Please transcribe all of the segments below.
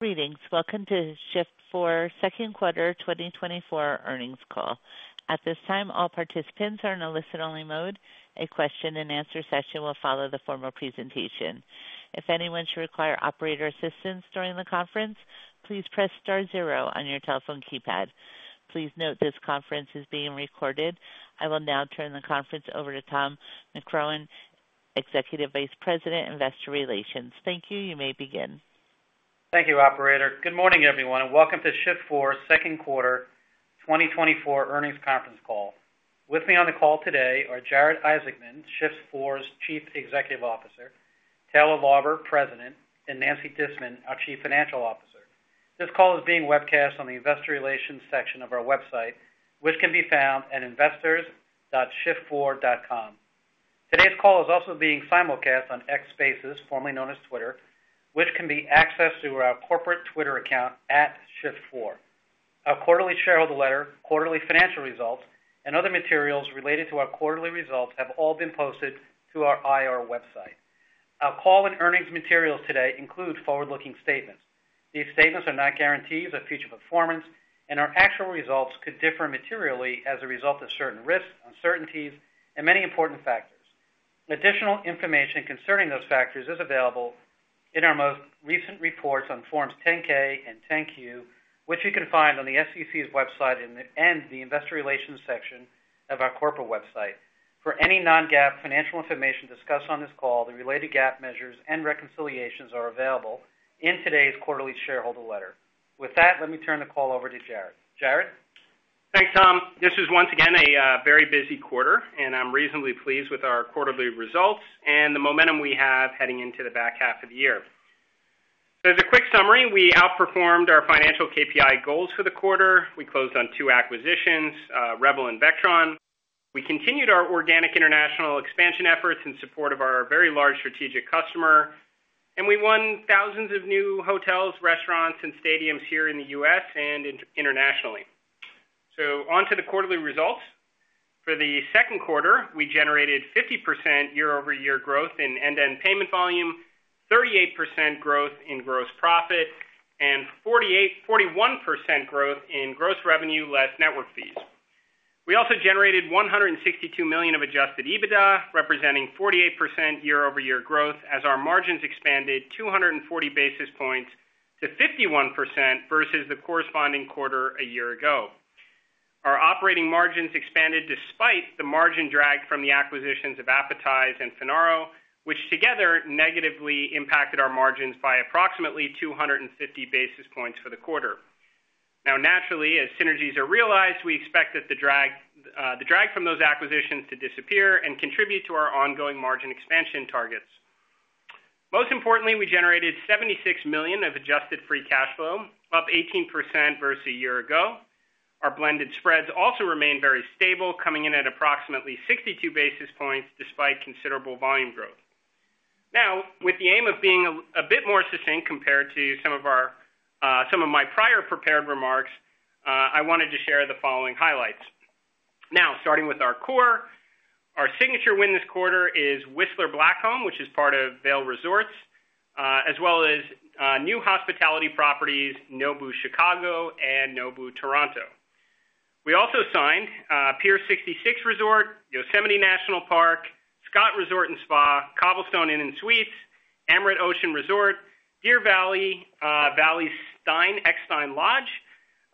Greetings. Welcome to Shift4's second quarter 2024 earnings call. At this time, all participants are in a listen-only mode. A question-and-answer session will follow the formal presentation. If anyone should require operator assistance during the conference, please press star zero on your telephone keypad. Please note this conference is being recorded. I will now turn the conference over to Tom McCrohan, Executive Vice President, Investor Relations. Thank you. You may begin. Thank you, operator. Good morning, everyone, and welcome to Shift4's second quarter 2024 earnings conference call. With me on the call today are Jared Isaacman, Shift4's Chief Executive Officer, Taylor Lauber, President, and Nancy Disman, our Chief Financial Officer. This call is being webcast on the investor relations section of our website, which can be found at investors.shift4.com. Today's call is also being simulcast on X Spaces, formerly known as Twitter, which can be accessed through our corporate Twitter account, @shift4. Our quarterly shareholder letter, quarterly financial results, and other materials related to our quarterly results have all been posted to our IR website. Our call and earnings materials today include forward-looking statements. These statements are not guarantees of future performance, and our actual results could differ materially as a result of certain risks, uncertainties, and many important factors. Additional information concerning those factors is available in our most recent reports on Forms 10-K and 10-Q, which you can find on the SEC's website and the Investor Relations section of our corporate website. For any non-GAAP financial information discussed on this call, the related GAAP measures and reconciliations are available in today's quarterly shareholder letter. With that, let me turn the call over to Jared. Jared? Thanks, Tom. This is once again a very busy quarter, and I'm reasonably pleased with our quarterly results and the momentum we have heading into the back half of the year. So as a quick summary, we outperformed our financial KPI goals for the quarter. We closed on two acquisitions, Revel and Vectron. We continued our organic international expansion efforts in support of our very large strategic customer, and we won thousands of new hotels, restaurants, and stadiums here in the U.S. and internationally. So on to the quarterly results. For the second quarter, we generated 50% year-over-year growth in end-to-end payment volume, 38% growth in gross profit, and 41% growth in gross revenue, less network fees. We also generated $162 million of adjusted EBITDA, representing 48% year-over-year growth, as our margins expanded 240 basis points to 51% versus the corresponding quarter a year ago. Our operating margins expanded despite the margin drag from the acquisitions of Appetize and Finaro, which together negatively impacted our margins by approximately 250 basis points for the quarter. Now, naturally, as synergies are realized, we expect that the drag, the drag from those acquisitions to disappear and contribute to our ongoing margin expansion targets. Most importantly, we generated $76 million of adjusted free cash flow, up 18% versus a year ago. Our blended spreads also remained very stable, coming in at approximately 62 basis points, despite considerable volume growth. Now, with the aim of being a bit more succinct compared to some of our, some of my prior prepared remarks, I wanted to share the following highlights. Now, starting with our core, our signature win this quarter is Whistler Blackcomb, which is part of Vail Resorts, as well as new hospitality properties, Nobu Chicago and Nobu Toronto. We also signed Pier Sixty-Six Resort, Yosemite National Park, Scott Resort & Spa, Cobblestone Inn & Suites, Amrit Ocean Resort, Deer Valley, Stein Eriksen Lodge,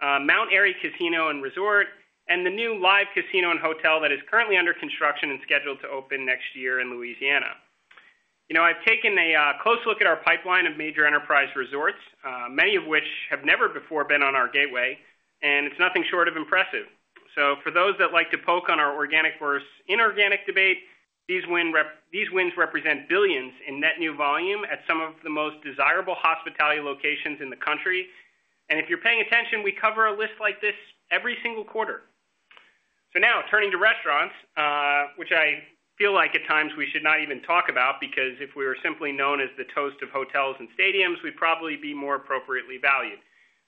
Mount Airy Casino Resort, and the new Live! Casino & Hotel that is currently under construction and scheduled to open next year in Louisiana. You know, I've taken a close look at our pipeline of major enterprise resorts, many of which have never before been on our gateway, and it's nothing short of impressive. So for those that like to poke on our organic versus inorganic debate, these wins represent billions in net new volume at some of the most desirable hospitality locations in the country. And if you're paying attention, we cover a list like this every single quarter. So now turning to restaurants, which I feel like at times we should not even talk about, because if we were simply known as the toast of hotels and stadiums, we'd probably be more appropriately valued.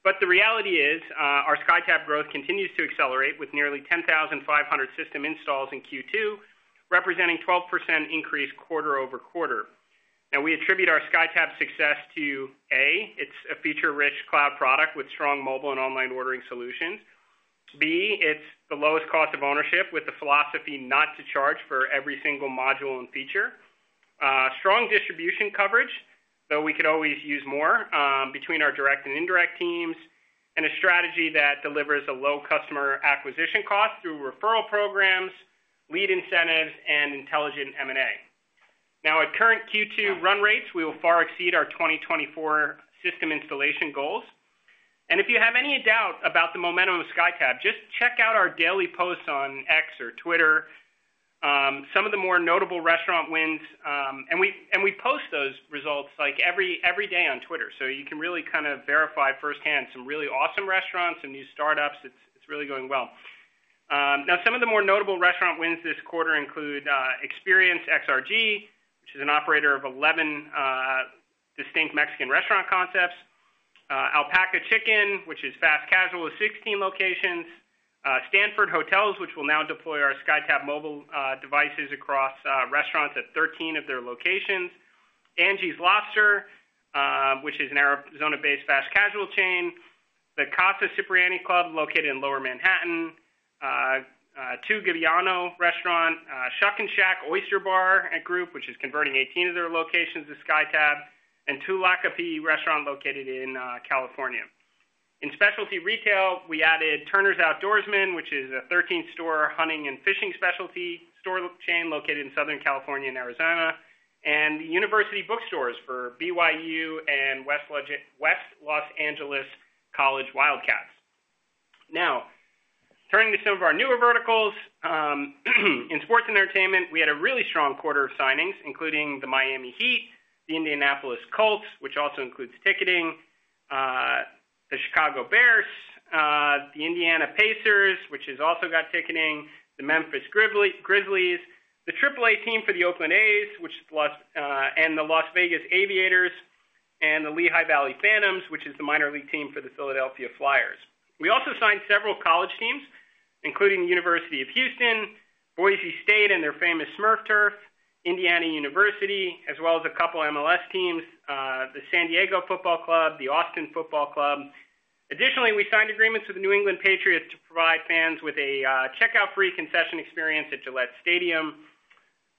But the reality is, our SkyTab growth continues to accelerate, with nearly 10,500 system installs in Q2, representing 12% increase quarter-over-quarter. Now, we attribute our SkyTab success to: A, it's a feature-rich cloud product with strong mobile and online ordering solutions. B, it's the lowest cost of ownership, with the philosophy not to charge for every single module and feature. Strong distribution coverage, though we could always use more, between our direct and indirect teams, and a strategy that delivers a low customer acquisition cost through referral programs, lead incentives, and intelligent M&A. Now, at current Q2 run rates, we will far exceed our 2024 system installation goals. And if you have any doubt about the momentum of SkyTab, just check out our daily posts on X or Twitter. Some of the more notable restaurant wins. And we post those results, like, every day on Twitter, so you can really kind of verify firsthand some really awesome restaurants and new startups. It's really going well. Now, some of the more notable restaurant wins this quarter include Xperience XRG, which is an operator of 11 distinct Mexican restaurant concepts, Alpaca Chicken, which is fast casual with 16 locations. Stanford Hotels, which will now deploy our SkyTab Mobile devices across restaurants at 13 of their locations. Angie's Lobster, which is an Arizona-based fast-casual chain. The Casa Cipriani Club, located in Lower Manhattan, Il Gabbiano restaurant, Shuckin' Shack Oyster Bar and Group, which is converting 18 of their locations to SkyTab, and Tlaquepaque restaurant located in California. In specialty retail, we added Turner's Outdoorsman, which is a 13-store hunting and fishing specialty store chain located in Southern California and Arizona, and the University Bookstores for BYU and West Los Angeles College Wildcats. Now, turning to some of our newer verticals, in sports and entertainment, we had a really strong quarter of signings, including the Miami Heat, the Indianapolis Colts, which also includes ticketing, the Chicago Bears, the Indiana Pacers, which has also got ticketing, the Memphis Grizzlies, the Triple-A team for the Oakland A's, which is Las Vegas, the Las Vegas Aviators, and the Lehigh Valley Phantoms, which is the minor league team for the Philadelphia Flyers. We also signed several college teams, including the University of Houston, Boise State, and their famous Smurf Turf, Indiana University, as well as a couple of MLS teams, the San Diego Football Club, the Austin Football Club. Additionally, we signed agreements with the New England Patriots to provide fans with a checkout-free concession experience at Gillette Stadium.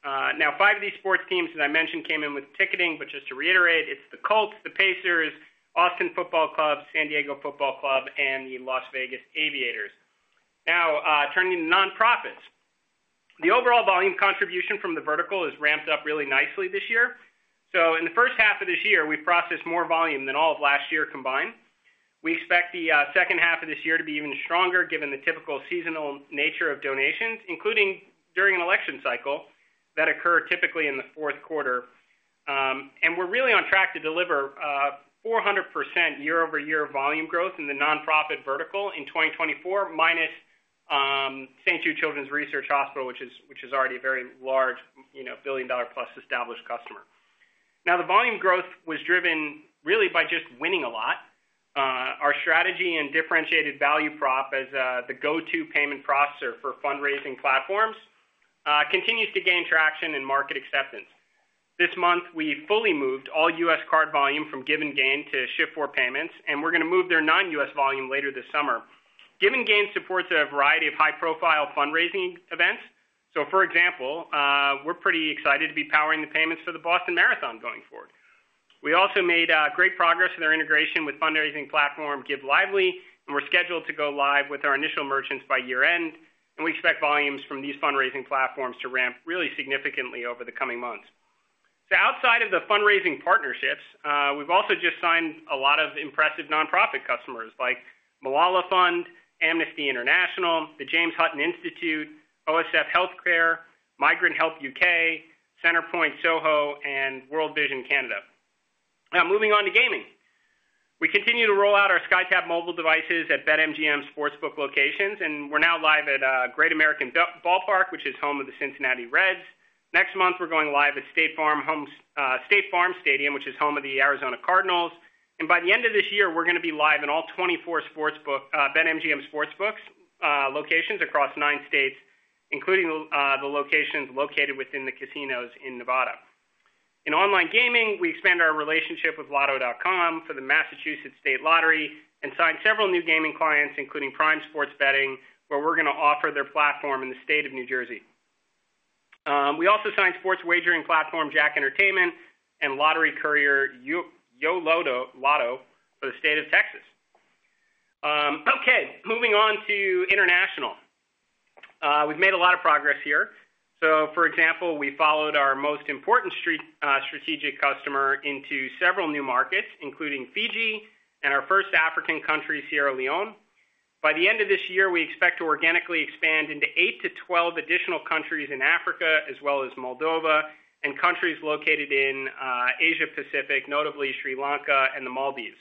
Now, five of these sports teams, as I mentioned, came in with ticketing, but just to reiterate, it's the Colts, the Pacers, Austin FC, San Diego FC, and the Las Vegas Aviators. Now, turning to nonprofits. The overall volume contribution from the vertical has ramped up really nicely this year. So in the first half of this year, we processed more volume than all of last year combined. We expect the second half of this year to be even stronger, given the typical seasonal nature of donations, including during an election cycle, that occur typically in the fourth quarter. And we're really on track to deliver 400% year-over-year volume growth in the nonprofit vertical in 2024, minus St. Jude Children's Research Hospital, which is already a very large, you know, billion-dollar-plus established customer. Now, the volume growth was driven really by just winning a lot. Our strategy and differentiated value prop as the go-to payment processor for fundraising platforms continues to gain traction and market acceptance. This month, we fully moved all U.S card volume from GivenGain to Shift4 Payments, and we're gonna move their non-U.S volume later this summer. GivenGain supports a variety of high-profile fundraising events. So for example, we're pretty excited to be powering the payments for the Boston Marathon going forward. We also made great progress in our integration with fundraising platform Give Lively, and we're scheduled to go live with our initial merchants by year-end, and we expect volumes from these fundraising platforms to ramp really significantly over the coming months. So outside of the fundraising partnerships, we've also just signed a lot of impressive nonprofit customers like Malala Fund, Amnesty International, the James Hutton Institute, OSF HealthCare, Migrant Help UK, Centrepoint, and World Vision Canada. Now, moving on to gaming. We continue to roll out our SkyTab Mobile devices at BetMGM Sportsbook locations, and we're now live at Great American Ball Park, which is home of the Cincinnati Reds. Next month, we're going live at State Farm Stadium, which is home of the Arizona Cardinals. And by the end of this year, we're gonna be live in all 24 sportsbook BetMGM sportsbooks locations across 9 states, including the locations located within the casinos in Nevada. In online gaming, we expand our relationship with Lotto.com for the Massachusetts State Lottery, and signed several new gaming clients, including Prime Sports, where we're gonna offer their platform in the state of New Jersey. We also signed sports wagering platform, JACK Entertainment and Lottery Courier, YoLotto for the state of Texas. Okay, moving on to international. We've made a lot of progress here. So for example, we followed our most important strategic customer into several new markets, including Fiji and our first African country, Sierra Leone. By the end of this year, we expect to organically expand into 8-12 additional countries in Africa, as well as Moldova and countries located in Asia-Pacific, notably Sri Lanka and the Maldives.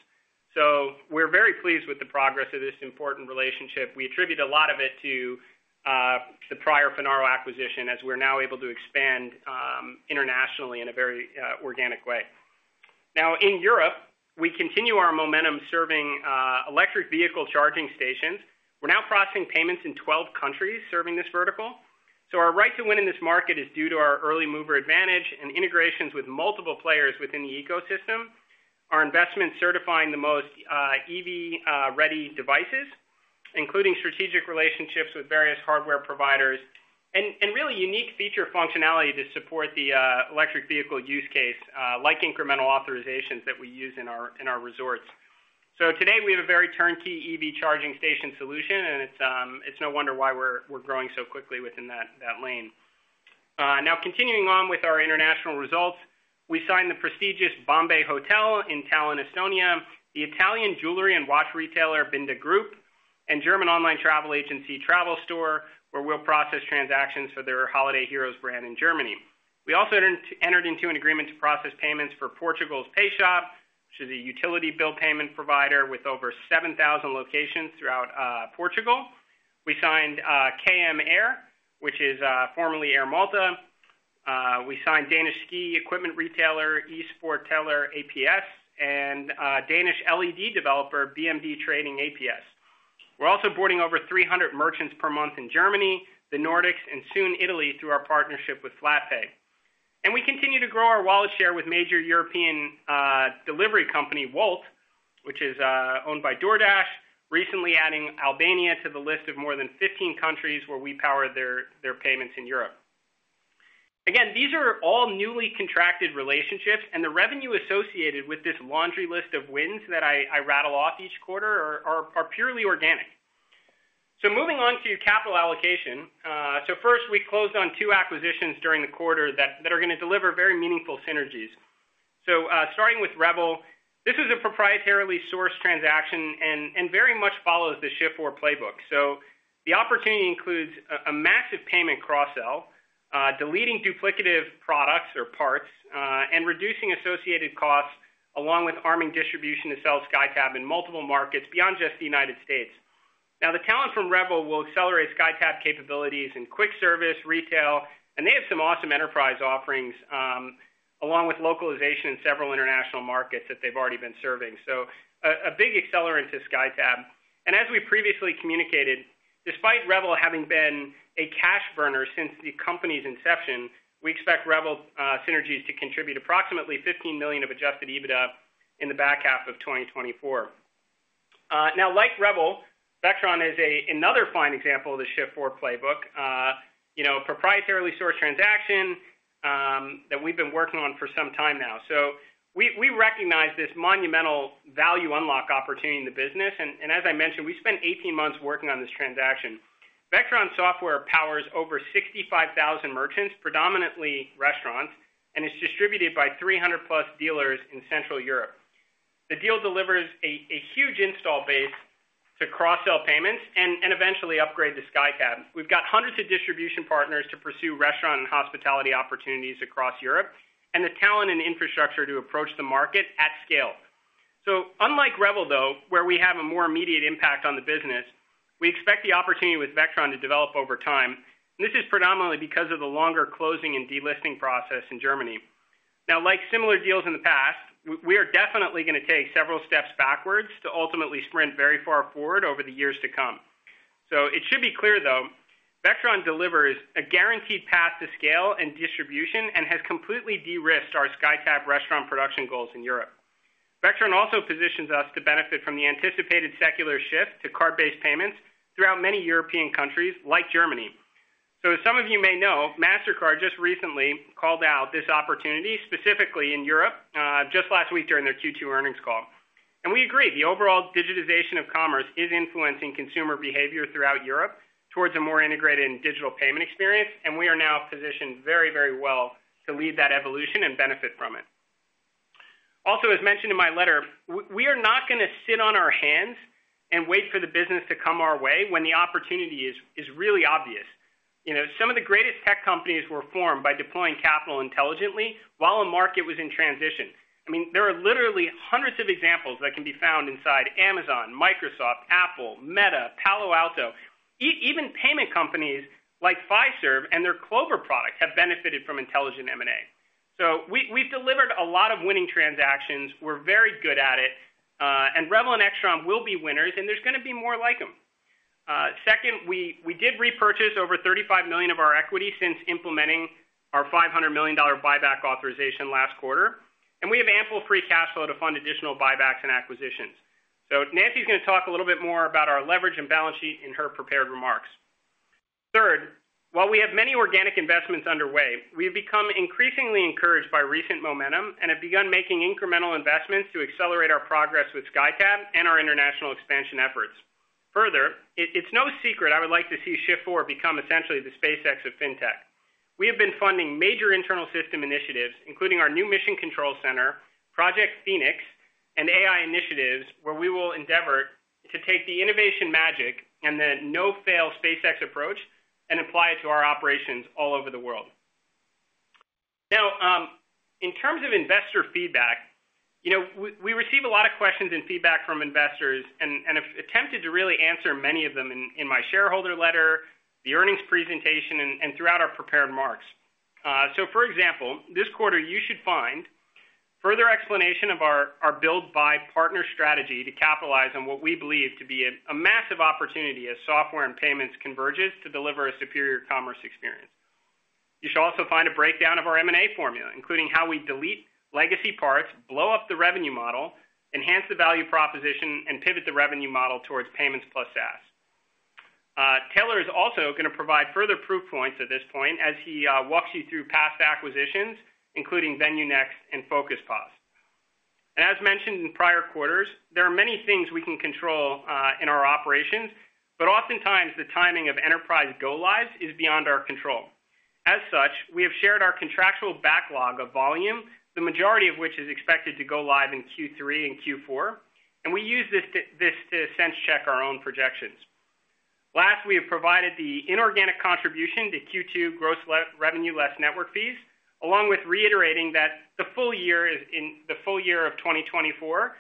So we're very pleased with the progress of this important relationship. We attribute a lot of it to the prior Finaro acquisition, as we're now able to expand internationally in a very organic way. Now, in Europe, we continue our momentum serving electric vehicle charging stations. We're now processing payments in 12 countries serving this vertical. So our right to win in this market is due to our early mover advantage and integrations with multiple players within the ecosystem. Our investment certifying the most EV ready devices, including strategic relationships with various hardware providers and really unique feature functionality to support the electric vehicle use case, like incremental authorizations that we use in our resorts. So today, we have a very turnkey EV charging station solution, and it's no wonder why we're growing so quickly within that lane. Now, continuing on with our international results, we signed the prestigious Bombay Hotel in Tallinn, Estonia, the Italian jewelry and watch retailer, Binda Group, and German online travel agency, Travel Store, where we'll process transactions for their Holiday Heroes brand in Germany. We also entered into an agreement to process payments for Portugal's Payshop, which is a utility bill payment provider with over 7,000 locations throughout Portugal. We signed KM Air, which is formerly Air Malta. We signed Danish ski equipment retailer, Sportmaster ApS, and Danish LED developer, BMD Trading ApS. We're also boarding over 300 merchants per month in Germany, the Nordics, and soon Italy, through our partnership with Flatpay. And we continue to grow our wallet share with major European delivery company, Wolt, which is owned by DoorDash, recently adding Albania to the list of more than 15 countries where we power their payments in Europe. Again, these are all newly contracted relationships, and the revenue associated with this laundry list of wins that I rattle off each quarter are purely organic. So moving on to capital allocation. So first, we closed on 2 acquisitions during the quarter that are gonna deliver very meaningful synergies. So starting with Revel, this is a proprietarily sourced transaction and very much follows the Shift4 playbook. So the opportunity includes a massive payment cross-sell, deleting duplicative products or parts, and reducing associated costs, along with arming distribution to sell SkyTab in multiple markets beyond just the United States. Now, the talent from Revel will accelerate SkyTab capabilities in quick service, retail, and they have some awesome enterprise offerings, along with localization in several international markets that they've already been serving. So a big accelerant to SkyTab. And as we previously communicated, despite Revel having been a cash burner since the company's inception, we expect Revel synergies to contribute approximately $15 million of adjusted EBITDA in the back half of 2024. Now, like Revel, Vectron is another fine example of the Shift4 playbook. You know, proprietarily sourced transaction that we've been working on for some time now. So we recognize this monumental value unlock opportunity in the business. And as I mentioned, we spent 18 months working on this transaction. Vectron Systems powers over 65,000 merchants, predominantly restaurants, and is distributed by 300+ dealers in Central Europe. The deal delivers a huge install base to cross-sell payments and eventually upgrade to SkyTab. We've got hundreds of distribution partners to pursue restaurant and hospitality opportunities across Europe, and the talent and infrastructure to approach the market at scale. So unlike Revel, though, where we have a more immediate impact on the business, we expect the opportunity with Vectron to develop over time. This is predominantly because of the longer closing and delisting process in Germany. Now, like similar deals in the past, we are definitely gonna take several steps backwards to ultimately sprint very far forward over the years to come. So it should be clear, though, Vectron delivers a guaranteed path to scale and distribution and has completely de-risked our SkyTab restaurant production goals in Europe. Vectron also positions us to benefit from the anticipated secular shift to card-based payments throughout many European countries like Germany. So as some of you may know, Mastercard just recently called out this opportunity, specifically in Europe, just last week during their Q2 earnings call. And we agree, the overall digitization of commerce is influencing consumer behavior throughout Europe towards a more integrated and digital payment experience, and we are now positioned very, very well to lead that evolution and benefit from it. Also, as mentioned in my letter, we are not gonna sit on our hands and wait for the business to come our way when the opportunity is really obvious. You know, some of the greatest tech companies were formed by deploying capital intelligently while the market was in transition. I mean, there are literally hundreds of examples that can be found inside Amazon, Microsoft, Apple, Meta, Palo Alto Networks. Even payment companies like Fiserv and their Clover product have benefited from intelligent M&A. So we've delivered a lot of winning transactions. We're very good at it, and Revel and Extron will be winners, and there's gonna be more like them. Second, we did repurchase over $35 million of our equity since implementing our $500 million buyback authorization last quarter, and we have ample free cash flow to fund additional buybacks and acquisitions. So Nancy's gonna talk a little bit more about our leverage and balance sheet in her prepared remarks. Third, while we have many organic investments underway, we've become increasingly encouraged by recent momentum and have begun making incremental investments to accelerate our progress with SkyTab and our international expansion efforts. Further, it's no secret I would like to see Shift4 become essentially the SpaceX of Fintech. We have been funding major internal system initiatives, including our new Mission Control Center, Project Phoenix, and AI initiatives, where we will endeavor to take the innovation magic and the no-fail SpaceX approach and apply it to our operations all over the world. Now, in terms of investor feedback, you know, we receive a lot of questions and feedback from investors and I've attempted to really answer many of them in my shareholder letter, the earnings presentation, and throughout our prepared remarks. So for example, this quarter, you should find further explanation of our build/buy partner strategy to capitalize on what we believe to be a massive opportunity as software and payments converges to deliver a superior commerce experience. You should also find a breakdown of our M&A formula, including how we delete legacy parts, blow up the revenue model, enhance the value proposition, and pivot the revenue model towards payments plus SaaS. Taylor is also gonna provide further proof points at this point as he walks you through past acquisitions, including VenueNext and Focus POS. And as mentioned in prior quarters, there are many things we can control in our operations, but oftentimes the timing of enterprise go-lives is beyond our control. As such, we have shared our contractual backlog of volume, the majority of which is expected to go live in Q3 and Q4, and we use this to sense-check our own projections. Last, we have provided the inorganic contribution to Q2 gross revenue less network fees, along with reiterating that the full year is the full year of 2024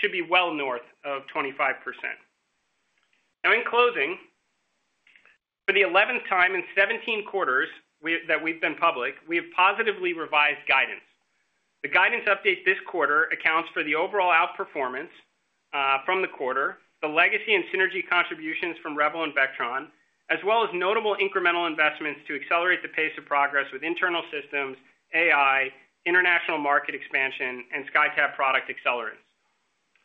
should be well north of 25%.... In closing, for the 11th time in 17 quarters that we've been public, we have positively revised guidance. The guidance update this quarter accounts for the overall outperformance from the quarter, the legacy and synergy contributions from Revel and Vectron, as well as notable incremental investments to accelerate the pace of progress with internal systems, AI, international market expansion, and SkyTab product accelerants.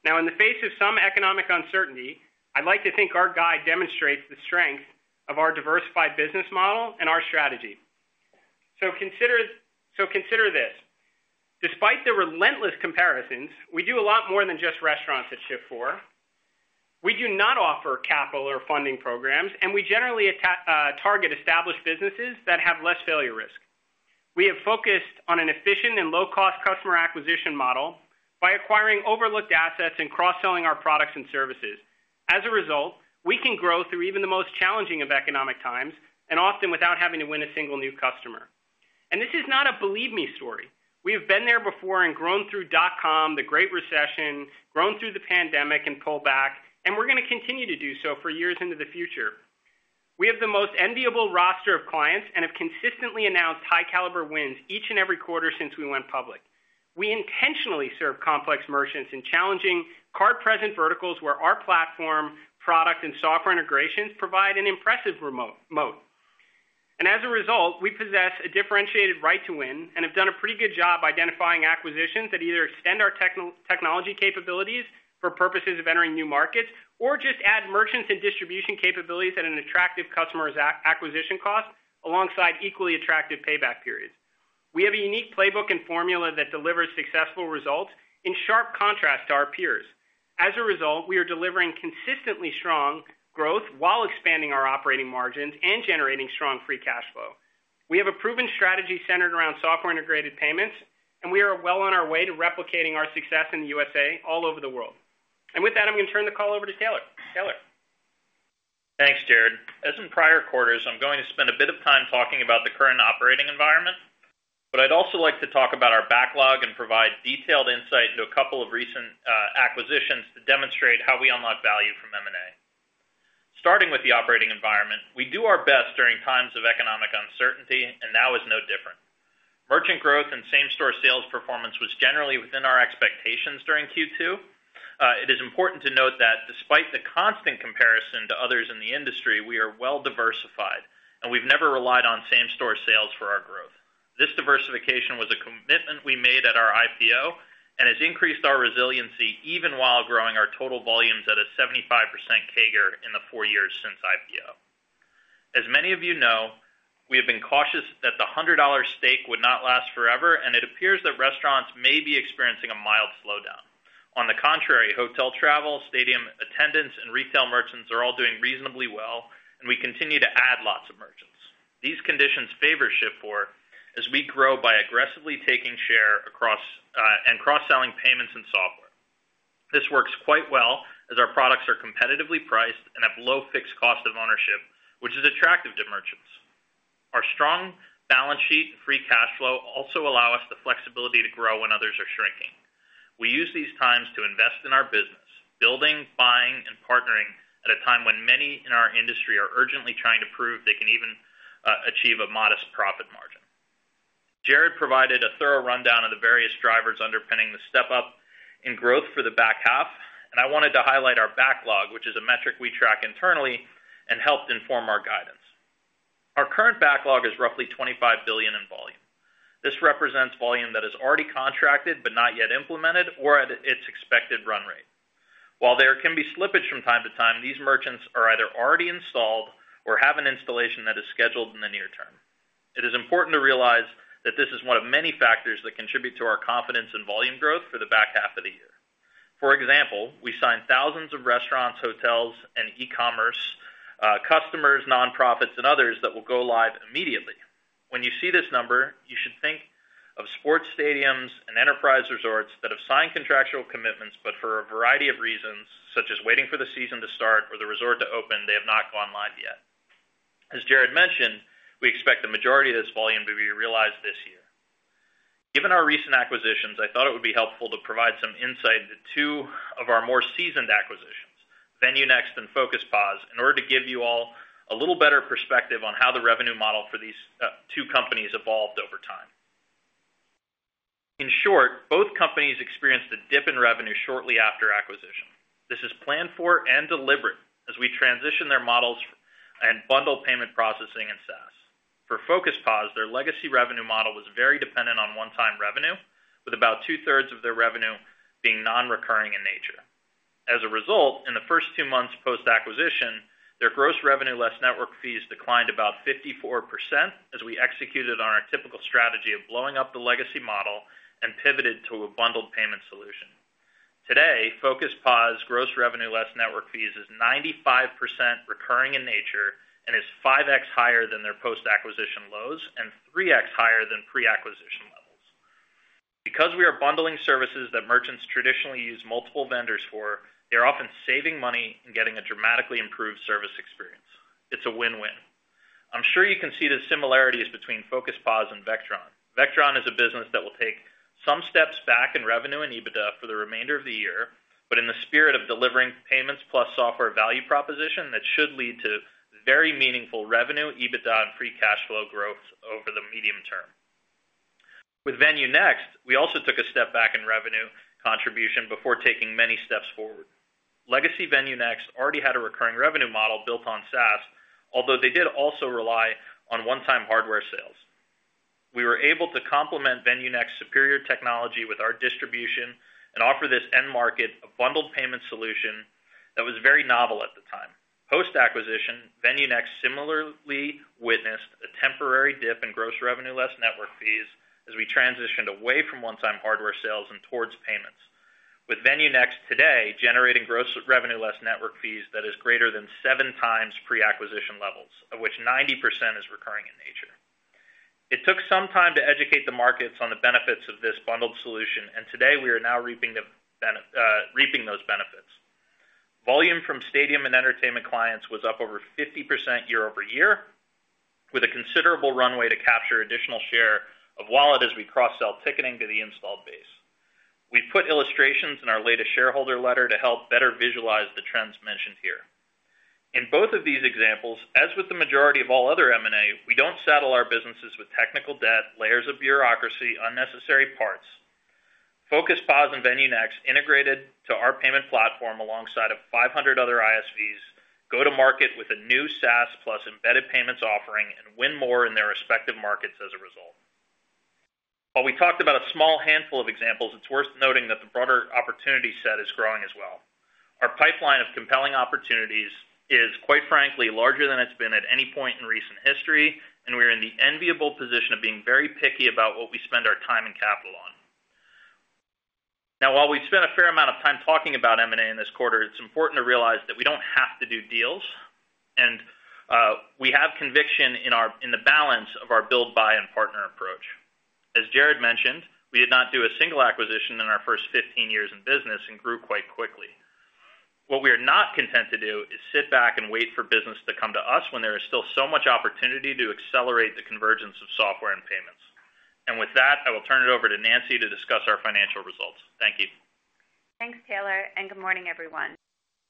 Now, in the face of some economic uncertainty, I'd like to think our guide demonstrates the strength of our diversified business model and our strategy. So consider this, despite the relentless comparisons, we do a lot more than just restaurants at Shift4. We do not offer capital or funding programs, and we generally target established businesses that have less failure risk. We have focused on an efficient and low-cost customer acquisition model by acquiring overlooked assets and cross-selling our products and services. As a result, we can grow through even the most challenging of economic times, and often without having to win a single new customer. And this is not a believe me story. We have been there before and grown through dotcom, the Great Recession, grown through the pandemic and pullback, and we're gonna continue to do so for years into the future. We have the most enviable roster of clients and have consistently announced high caliber wins each and every quarter since we went public. We intentionally serve complex merchants in challenging card-present verticals where our platform, product, and software integrations provide an impressive moat. And as a result, we possess a differentiated right to win and have done a pretty good job identifying acquisitions that either extend our technology capabilities for purposes of entering new markets, or just add merchants and distribution capabilities at an attractive customer acquisition cost, alongside equally attractive payback periods. We have a unique playbook and formula that delivers successful results in sharp contrast to our peers. As a result, we are delivering consistently strong growth while expanding our operating margins and generating strong free cash flow. We have a proven strategy centered around software-integrated payments, and we are well on our way to replicating our success in the USA all over the world. With that, I'm going to turn the call over to Taylor. Taylor? Thanks, Jared. As in prior quarters, I'm going to spend a bit of time talking about the current operating environment, but I'd also like to talk about our backlog and provide detailed insight into a couple of recent acquisitions to demonstrate how we unlock value from M&A. Starting with the operating environment, we do our best during times of economic uncertainty, and now is no different. Merchant growth and same-store sales performance was generally within our expectations during Q2. It is important to note that despite the constant comparison to others in the industry, we are well diversified, and we've never relied on same-store sales for our growth. This diversification was a commitment we made at our IPO, and has increased our resiliency, even while growing our total volumes at a 75% CAGR in the four years since IPO. As many of you know, we have been cautious that the $100 steak would not last forever, and it appears that restaurants may be experiencing a mild slowdown. On the contrary, hotel travel, stadium attendance, and retail merchants are all doing reasonably well, and we continue to add lots of merchants. These conditions favor Shift4 as we grow by aggressively taking share across and cross-selling payments and software. This works quite well as our products are competitively priced and have low fixed cost of ownership, which is attractive to merchants. Our strong balance sheet and free cash flow also allow us the flexibility to grow when others are shrinking. We use these times to invest in our business, building, buying, and partnering at a time when many in our industry are urgently trying to prove they can even achieve a modest profit margin. Jared provided a thorough rundown of the various drivers underpinning the step-up in growth for the back half, and I wanted to highlight our backlog, which is a metric we track internally and helped inform our guidance. Our current backlog is roughly $25 billion in volume. This represents volume that is already contracted but not yet implemented or at its expected run rate. While there can be slippage from time to time, these merchants are either already installed or have an installation that is scheduled in the near term. It is important to realize that this is one of many factors that contribute to our confidence in volume growth for the back half of the year. For example, we signed thousands of restaurants, hotels, and e-commerce customers, nonprofits, and others that will go live immediately. When you see this number, you should think of sports stadiums and enterprise resorts that have signed contractual commitments, but for a variety of reasons, such as waiting for the season to start or the resort to open, they have not gone live yet. As Jared mentioned, we expect the majority of this volume to be realized this year. Given our recent acquisitions, I thought it would be helpful to provide some insight into two of our more seasoned acquisitions, VenueNext and Focus POS, in order to give you all a little better perspective on how the revenue model for these two companies evolved over time. In short, both companies experienced a dip in revenue shortly after acquisition. This is planned for and deliberate as we transition their models and bundle payment processing and SaaS. For Focus POS, their legacy revenue model was very dependent on one-time revenue, with about two-thirds of their revenue being non-recurring in nature. As a result, in the first two months post-acquisition, their gross revenue, less network fees, declined about 54% as we executed on our typical strategy of blowing up the legacy model and pivoted to a bundled payment solution. Today, Focus POS' gross revenue, less network fees, is 95% recurring in nature and is 5x higher than their post-acquisition lows and 3x higher than pre-acquisition levels. Because we are bundling services that merchants traditionally use multiple vendors for, they're often saving money and getting a dramatically improved service level... it's a win-win. I'm sure you can see the similarities between Focus POS and Vectron. Vectron is a business that will take some steps back in revenue and EBITDA for the remainder of the year, but in the spirit of delivering payments plus software value proposition, that should lead to very meaningful revenue, EBITDA, and free cash flow growth over the medium term. With VenueNext, we also took a step back in revenue contribution before taking many steps forward. Legacy VenueNext already had a recurring revenue model built on SaaS, although they did also rely on one-time hardware sales. We were able to complement VenueNext's superior technology with our distribution and offer this end market a bundled payment solution that was very novel at the time. Post-acquisition, VenueNext similarly witnessed a temporary dip in gross revenue less network fees as we transitioned away from one-time hardware sales and towards payments. With VenueNext today generating gross revenue less network fees that is greater than 7x pre-acquisition levels, of which 90% is recurring in nature. It took some time to educate the markets on the benefits of this bundled solution, and today we are now reaping those benefits. Volume from stadium and entertainment clients was up over 50% year-over-year, with a considerable runway to capture additional share of wallet as we cross-sell ticketing to the installed base. We've put illustrations in our latest shareholder letter to help better visualize the trends mentioned here. In both of these examples, as with the majority of all other M&A, we don't settle our businesses with technical debt, layers of bureaucracy, unnecessary parts. Focus POS and VenueNext integrated to our payment platform alongside of 500 other ISVs, go to market with a new SaaS plus embedded payments offering and win more in their respective markets as a result. While we talked about a small handful of examples, it's worth noting that the broader opportunity set is growing as well. Our pipeline of compelling opportunities is, quite frankly, larger than it's been at any point in recent history, and we're in the enviable position of being very picky about what we spend our time and capital on. Now, while we've spent a fair amount of time talking about M&A in this quarter, it's important to realize that we don't have to do deals, and we have conviction in our build, buy, and partner approach. As Jared mentioned, we did not do a single acquisition in our first 15 years in business and grew quite quickly. What we are not content to do is sit back and wait for business to come to us when there is still so much opportunity to accelerate the convergence of software and payments. And with that, I will turn it over to Nancy to discuss our financial results. Thank you. Thanks, Taylor, and good morning, everyone.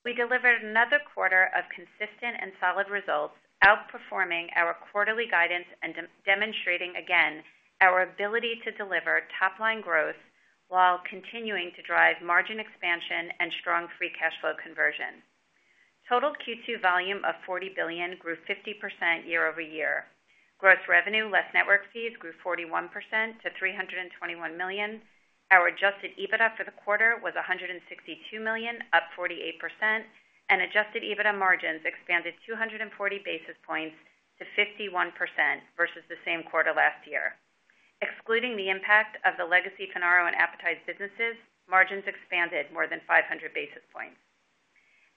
We delivered another quarter of consistent and solid results, outperforming our quarterly guidance and demonstrating, again, our ability to deliver top line growth while continuing to drive margin expansion and strong free cash flow conversion. Total Q2 volume of $40 billion grew 50% year-over-year. Gross revenue, less network fees, grew 41% to $321 million. Our adjusted EBITDA for the quarter was $162 million, up 48%, and adjusted EBITDA margins expanded 240 basis points to 51% versus the same quarter last year. Excluding the impact of the legacy Finaro and Appetize businesses, margins expanded more than 500 basis points.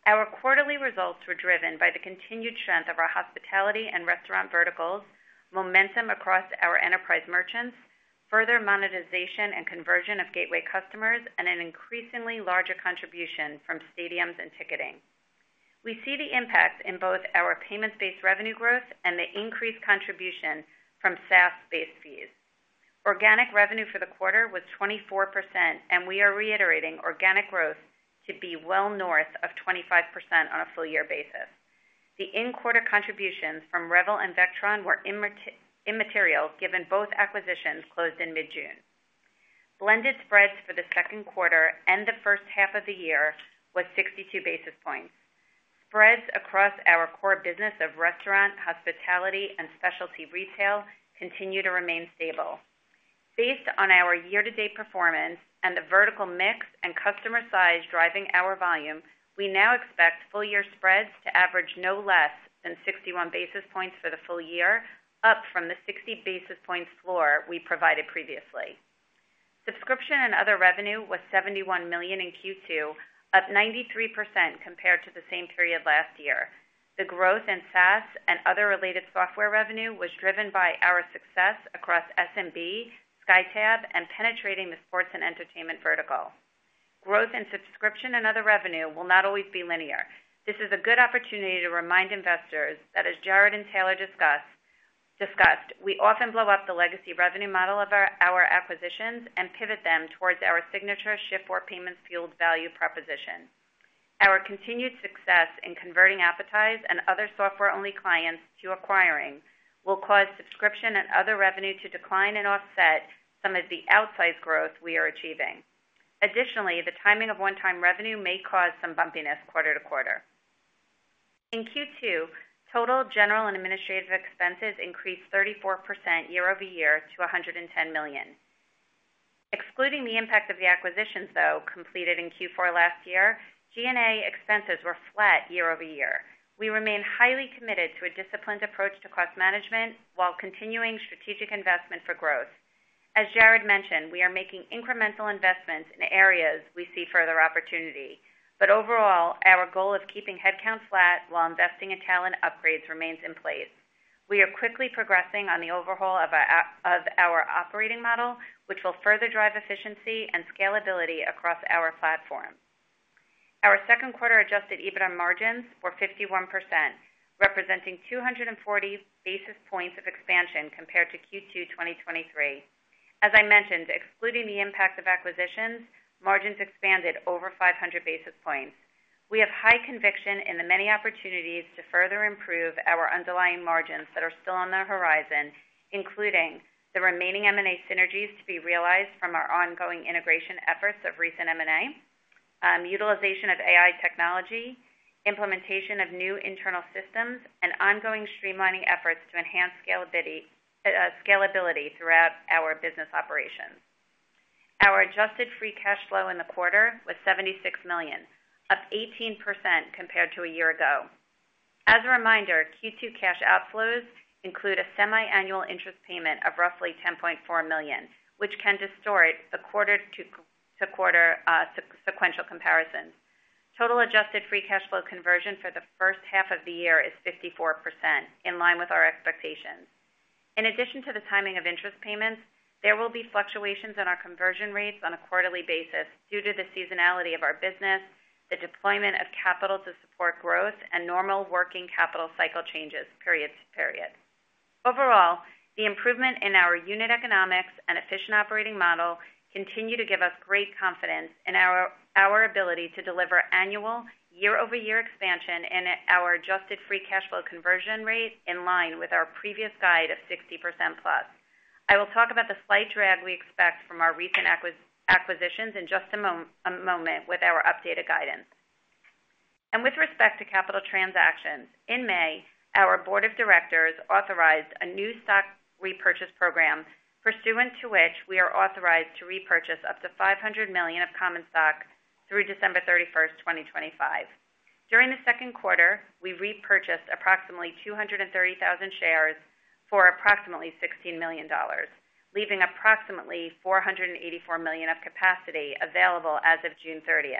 Our quarterly results were driven by the continued strength of our hospitality and restaurant verticals, momentum across our enterprise merchants, further monetization and conversion of gateway customers, and an increasingly larger contribution from stadiums and ticketing. We see the impact in both our payments-based revenue growth and the increased contribution from SaaS-based fees. Organic revenue for the quarter was 24%, and we are reiterating organic growth to be well north of 25% on a full year basis. The in-quarter contributions from Revel and Vectron were immaterial, given both acquisitions closed in mid-June. Blended spreads for the second quarter and the first half of the year was 62 basis points. Spreads across our core business of restaurant, hospitality, and specialty retail continue to remain stable. Based on our year-to-date performance and the vertical mix and customer size driving our volume, we now expect full year spreads to average no less than 61 basis points for the full year, up from the 60 basis points floor we provided previously. Subscription and other revenue was $71 million in Q2, up 93% compared to the same period last year. The growth in SaaS and other related software revenue was driven by our success across SMB, SkyTab, and penetrating the sports and entertainment vertical. Growth in subscription and other revenue will not always be linear. This is a good opportunity to remind investors that, as Jared and Taylor discussed, we often blow up the legacy revenue model of our acquisitions and pivot them towards our signature Shift4 Payments field value proposition. Our continued success in converting Appetize and other software-only clients to acquiring will cause subscription and other revenue to decline and offset some of the outsized growth we are achieving. Additionally, the timing of one-time revenue may cause some bumpiness quarter to quarter. In Q2, total general and administrative expenses increased 34% year-over-year to $110 million. Excluding the impact of the acquisitions, though, completed in Q4 last year, G&A expenses were flat year-over-year. We remain highly committed to a disciplined approach to cost management while continuing strategic investment for growth. As Jared mentioned, we are making incremental investments in areas we see further opportunity, but overall, our goal of keeping headcount flat while investing in talent upgrades remains in place. We are quickly progressing on the overhaul of our operating model, which will further drive efficiency and scalability across our platform. Our second quarter adjusted EBITDA margins were 51%, representing 240 basis points of expansion compared to Q2 2023. As I mentioned, excluding the impact of acquisitions, margins expanded over 500 basis points. We have high conviction in the many opportunities to further improve our underlying margins that are still on the horizon, including the remaining M&A synergies to be realized from our ongoing integration efforts of recent M&A, utilization of AI technology, implementation of new internal systems, and ongoing streamlining efforts to enhance scalability throughout our business operations. Our adjusted free cash flow in the quarter was $76 million, up 18% compared to a year ago. As a reminder, Q2 cash outflows include a semiannual interest payment of roughly $10.4 million, which can distort the quarter-to-quarter sequential comparison. Total adjusted free cash flow conversion for the first half of the year is 54%, in line with our expectations. In addition to the timing of interest payments, there will be fluctuations in our conversion rates on a quarterly basis due to the seasonality of our business, the deployment of capital to support growth, and normal working capital cycle changes period to period. Overall, the improvement in our unit economics and efficient operating model continue to give us great confidence in our, our ability to deliver annual year-over-year expansion and our adjusted free cash flow conversion rate in line with our previous guide of 60%+. I will talk about the slight drag we expect from our recent acquisitions in just a moment with our updated guidance. With respect to capital transactions, in May, our board of directors authorized a new stock repurchase program, pursuant to which we are authorized to repurchase up to $500 million of common stock through December 31, 2025. During the second quarter, we repurchased approximately 230,000 shares for approximately $16 million, leaving approximately $484 million of capacity available as of June 30.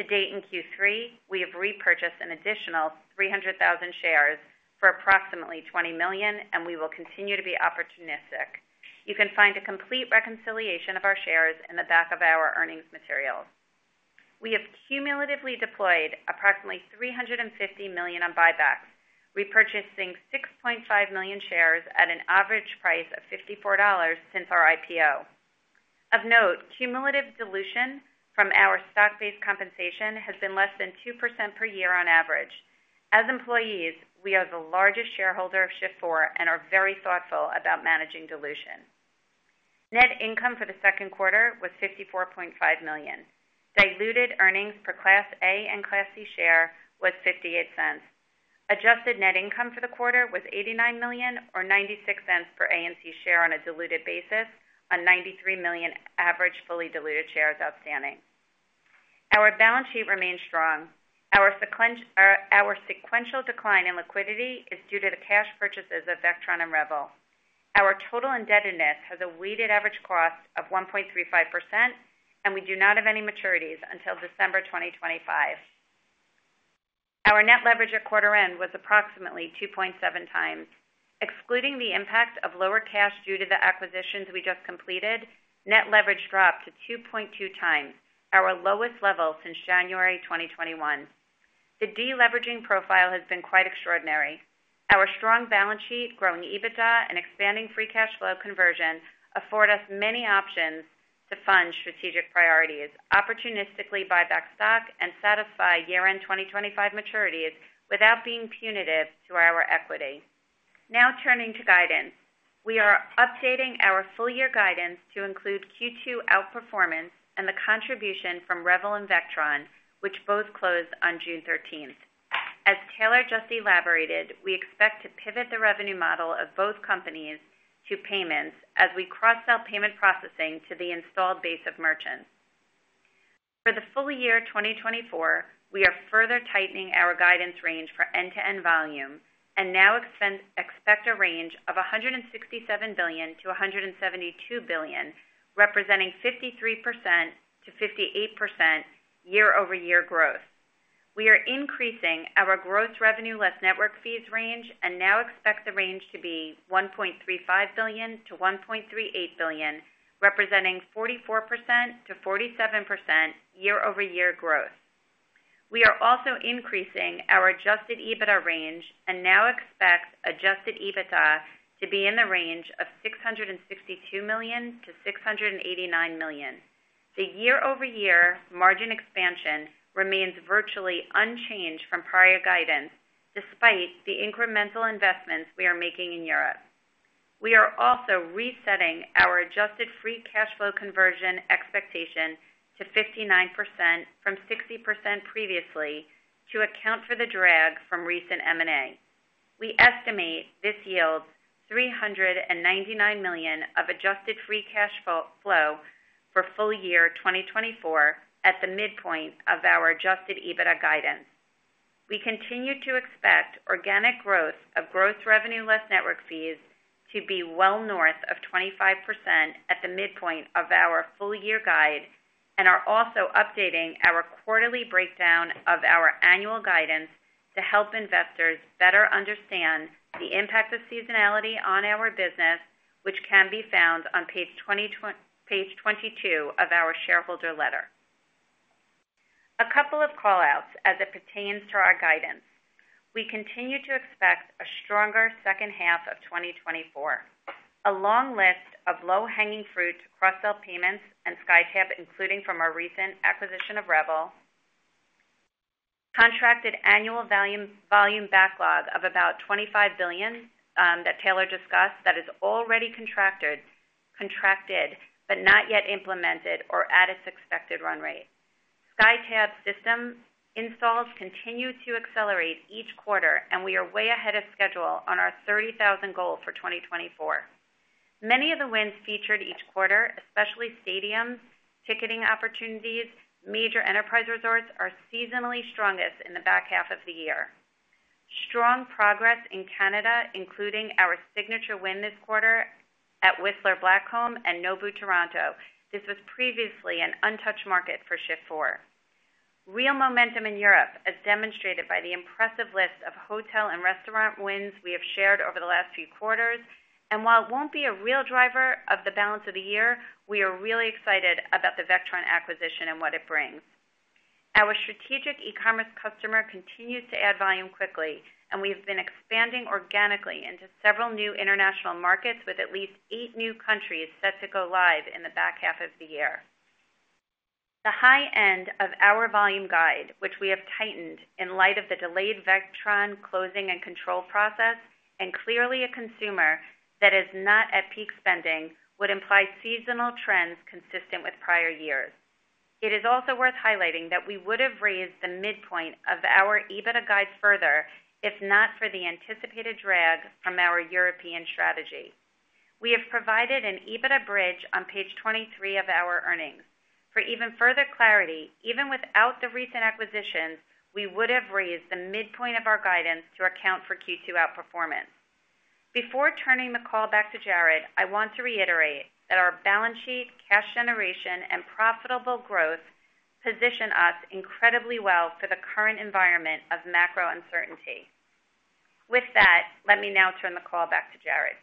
To date, in Q3, we have repurchased an additional 300,000 shares for approximately $20 million, and we will continue to be opportunistic. You can find a complete reconciliation of our shares in the back of our earnings materials. We have cumulatively deployed approximately $350 million on buybacks, repurchasing 6.5 million shares at an average price of $54 since our IPO. Of note, cumulative dilution from our stock-based compensation has been less than 2% per year on average. As employees, we are the largest shareholder of Shift4 and are very thoughtful about managing dilution. Net income for the second quarter was $54.5 million. Diluted earnings per Class A and Class C share was $0.58. Adjusted net income for the quarter was $89 million or $0.96 per A and C share on a diluted basis on 93 million average, fully diluted shares outstanding. Our balance sheet remains strong. Our sequential decline in liquidity is due to the cash purchases of Vectron and Revel. Our total indebtedness has a weighted average cost of 1.35%, and we do not have any maturities until December 2025. Our net leverage at quarter end was approximately 2.7x. Excluding the impact of lower cash due to the acquisitions we just completed, net leverage dropped to 2.2x, our lowest level since January 2021. The deleveraging profile has been quite extraordinary. Our strong balance sheet, growing EBITDA, and expanding free cash flow conversion afford us many options to fund strategic priorities, opportunistically buy back stock, and satisfy year-end 2025 maturities without being punitive to our equity. Now turning to guidance. We are updating our full year guidance to include Q2 outperformance and the contribution from Revel and Vectron, which both closed on June 13. As Taylor just elaborated, we expect to pivot the revenue model of both companies to payments as we cross-sell payment processing to the installed base of merchants. For the full year 2024, we are further tightening our guidance range for end-to-end volume and now expect a range of $167 billion-$172 billion, representing 53%-58% year-over-year growth. We are increasing our gross revenue less network fees range and now expect the range to be $1.35 billion-$1.38 billion, representing 44%-47% year-over-year growth. We are also increasing our Adjusted EBITDA range and now expect Adjusted EBITDA to be in the range of $662 million-$689 million. The year-over-year margin expansion remains virtually unchanged from prior guidance, despite the incremental investments we are making in Europe. We are also resetting our adjusted free cash flow conversion expectation to 59% from 60% previously, to account for the drag from recent M&A. We estimate this yields $399 million of adjusted free cash flow for full year 2024 at the midpoint of our adjusted EBITDA guidance. We continue to expect organic growth of gross revenue less network fees to be well north of 25% at the midpoint of our full year guide, and are also updating our quarterly breakdown of our annual guidance to help investors better understand the impact of seasonality on our business, which can be found on page 22 of our shareholder letter. A couple of call-outs as it pertains to our guidance. We continue to expect a stronger second half of 2024. A long list of low-hanging fruit, cross-sell payments, and SkyTab, including from our recent acquisition of Revel. Contracted annual volume, volume backlog of about $25 billion, that Taylor discussed, that is already contracted, contracted but not yet implemented or at its expected run rate. SkyTab system installs continue to accelerate each quarter, and we are way ahead of schedule on our 30,000 goal for 2024. Many of the wins featured each quarter, especially stadiums, ticketing opportunities, major enterprise resorts, are seasonally strongest in the back half of the year. Strong progress in Canada, including our signature win this quarter at Whistler Blackcomb and Nobu Toronto. This was previously an untouched market for Shift4. Real momentum in Europe, as demonstrated by the impressive list of hotel and restaurant wins we have shared over the last few quarters. While it won't be a real driver of the balance of the year, we are really excited about the Vectron acquisition and what it brings. Our strategic e-commerce customer continues to add volume quickly, and we've been expanding organically into several new international markets with at least eight new countries set to go live in the back half of the year. The high end of our volume guide, which we have tightened in light of the delayed Vectron closing and control process, and clearly a consumer that is not at peak spending, would imply seasonal trends consistent with prior years. It is also worth highlighting that we would have raised the midpoint of our EBITDA guide further, if not for the anticipated drag from our European strategy. We have provided an EBITDA bridge on page 23 of our earnings. For even further clarity, even without the recent acquisitions, we would have raised the midpoint of our guidance to account for Q2 outperformance. Before turning the call back to Jared, I want to reiterate that our balance sheet, cash generation, and profitable growth position us incredibly well for the current environment of macro uncertainty. With that, let me now turn the call back to Jared.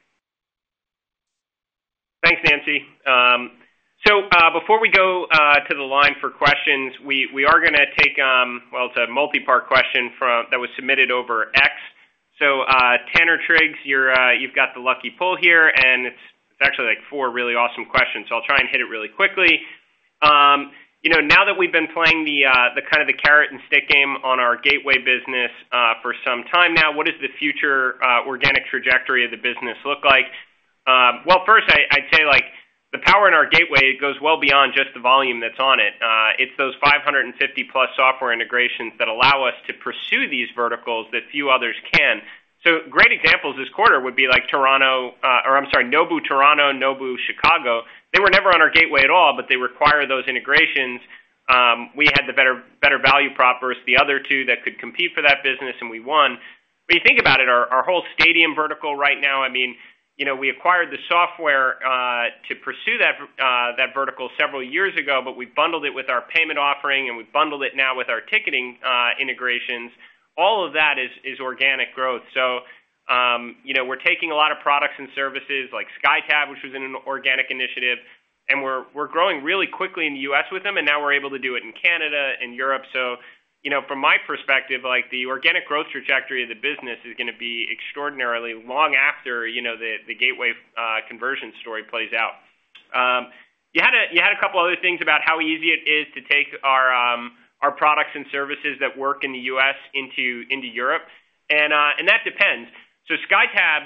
Thanks, Nancy. So, before we go to the line for questions, we are gonna take well, it's a multipart question from-- that was submitted over X. So, Tanner Triggs, you're, you've got the lucky pull here, and it's actually, like, four really awesome questions, so I'll try and hit it really quickly. You know, now that we've been playing the kind of the carrot-and-stick game on our gateway business for some time now, what does the future organic trajectory of the business look like? Well, first I'd say, like, the power in our gateway goes well beyond just the volume that's on it. It's those 550+ software integrations that allow us to pursue these verticals that few others can. So great examples this quarter would be like Toronto, or I'm sorry, Nobu Toronto, Nobu Chicago. They were never on our gateway at all, but they require those integrations. We had the better, better value prop versus the other two that could compete for that business, and we won. But you think about it, our, our whole stadium vertical right now, I mean, you know, we acquired the software, to pursue that, that vertical several years ago, but we bundled it with our payment offering, and we bundled it now with our ticketing, integrations. All of that is, is organic growth. So, you know, we're taking a lot of products and services like SkyTab, which was an organic initiative, and we're, we're growing really quickly in the U.S. with them, and now we're able to do it in Canada and Europe. So, you know, from my perspective, like, the organic growth trajectory of the business is gonna be extraordinarily long after, you know, the gateway conversion story plays out. You had a couple other things about how easy it is to take our products and services that work in the U.S. into Europe, and that depends. So SkyTab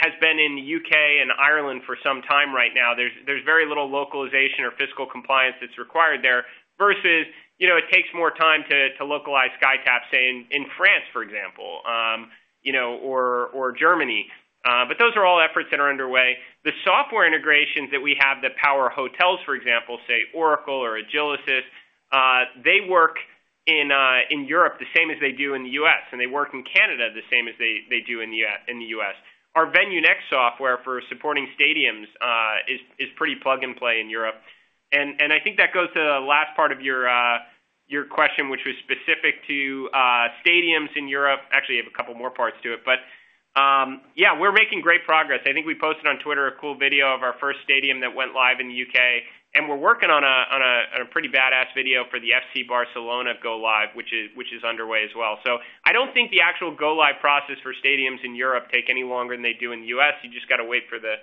has been in the U.K. and Ireland for some time right now. There's very little localization or fiscal compliance that's required there, versus, you know, it takes more time to localize SkyTab, say, in France, for example, you know, or Germany. But those are all efforts that are underway. The software integrations that we have that power hotels, for example, say, Oracle or Agilysys, they work in, in Europe the same as they do in the U.S., and they work in Canada the same as they do in the U.S. Our VenueNext software for supporting stadiums is pretty plug and play in Europe. I think that goes to the last part of your question, which was specific to stadiums in Europe. Actually, you have a couple more parts to it, but yeah, we're making great progress. I think we posted on Twitter a cool video of our first stadium that went live in the U.K., and we're working on a pretty badass video for the FC Barcelona go live, which is underway as well. So I don't think the actual go live process for stadiums in Europe take any longer than they do in the U.S. You just gotta wait for the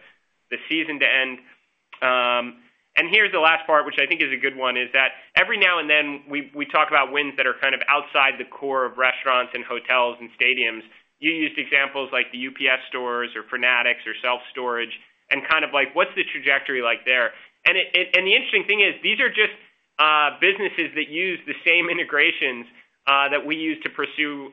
season to end. And here's the last part, which I think is a good one, is that every now and then, we talk about wins that are kind of outside the core of restaurants and hotels and stadiums. You used examples like the UPS Stores or Fanatics or Self-storage, and kind of like, what's the trajectory like there? And the interesting thing is, these are just businesses that use the same integrations that we use to pursue,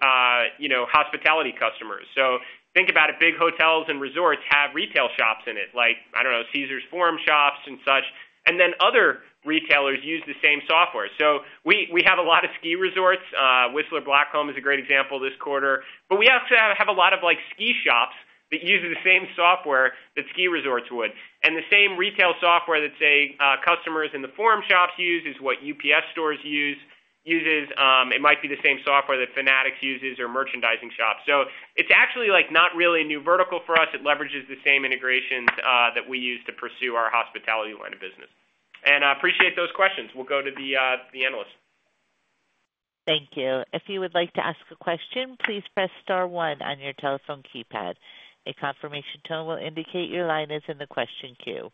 you know, hospitality customers. So think about it, big hotels and resorts have retail shops in it, like, I don't know, Caesars Forum Shops and such, and then other retailers use the same software. So we have a lot of ski resorts. Whistler Blackcomb is a great example this quarter, but we also have a lot of, like, ski shops that use the same software that ski resorts would... and the same retail software that, say, customers in the forum shops use is what UPS Stores use. It might be the same software that Fanatics uses or merchandising shops. So it's actually, like, not really a new vertical for us. It leverages the same integrations that we use to pursue our hospitality line of business. And I appreciate those questions. We'll go to the analysts. Thank you. If you would like to ask a question, please press star one on your telephone keypad. A confirmation tone will indicate your line is in the question queue.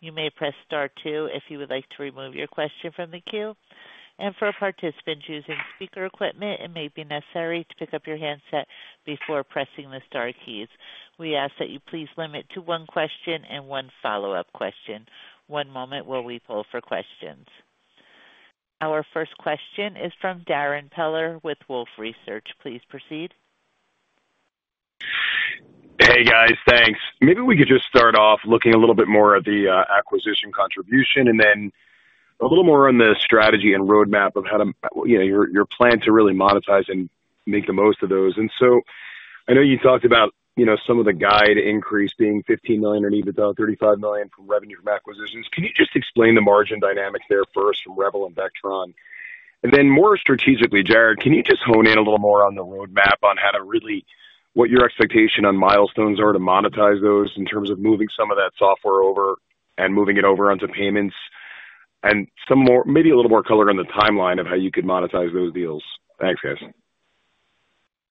You may press star two if you would like to remove your question from the queue. For participants using speaker equipment, it may be necessary to pick up your handset before pressing the star keys. We ask that you please limit to one question and one follow-up question. One moment while we poll for questions. Our first question is from Darrin Peller with Wolfe Research. Please proceed. Hey, guys, thanks. Maybe we could just start off looking a little bit more at the acquisition contribution and then a little more on the strategy and roadmap of how to, you know, your plan to really monetize and make the most of those. And so I know you talked about, you know, some of the guide increase being $15 million or even about $35 million from revenue from acquisitions. Can you just explain the margin dynamics there first from Revel and Vectron? And then more strategically, Jared, can you just hone in a little more on the roadmap on how to really, what your expectation on milestones are to monetize those in terms of moving some of that software over and moving it over onto payments, and some more, maybe a little more color on the timeline of how you could monetize those deals. Thanks, guys.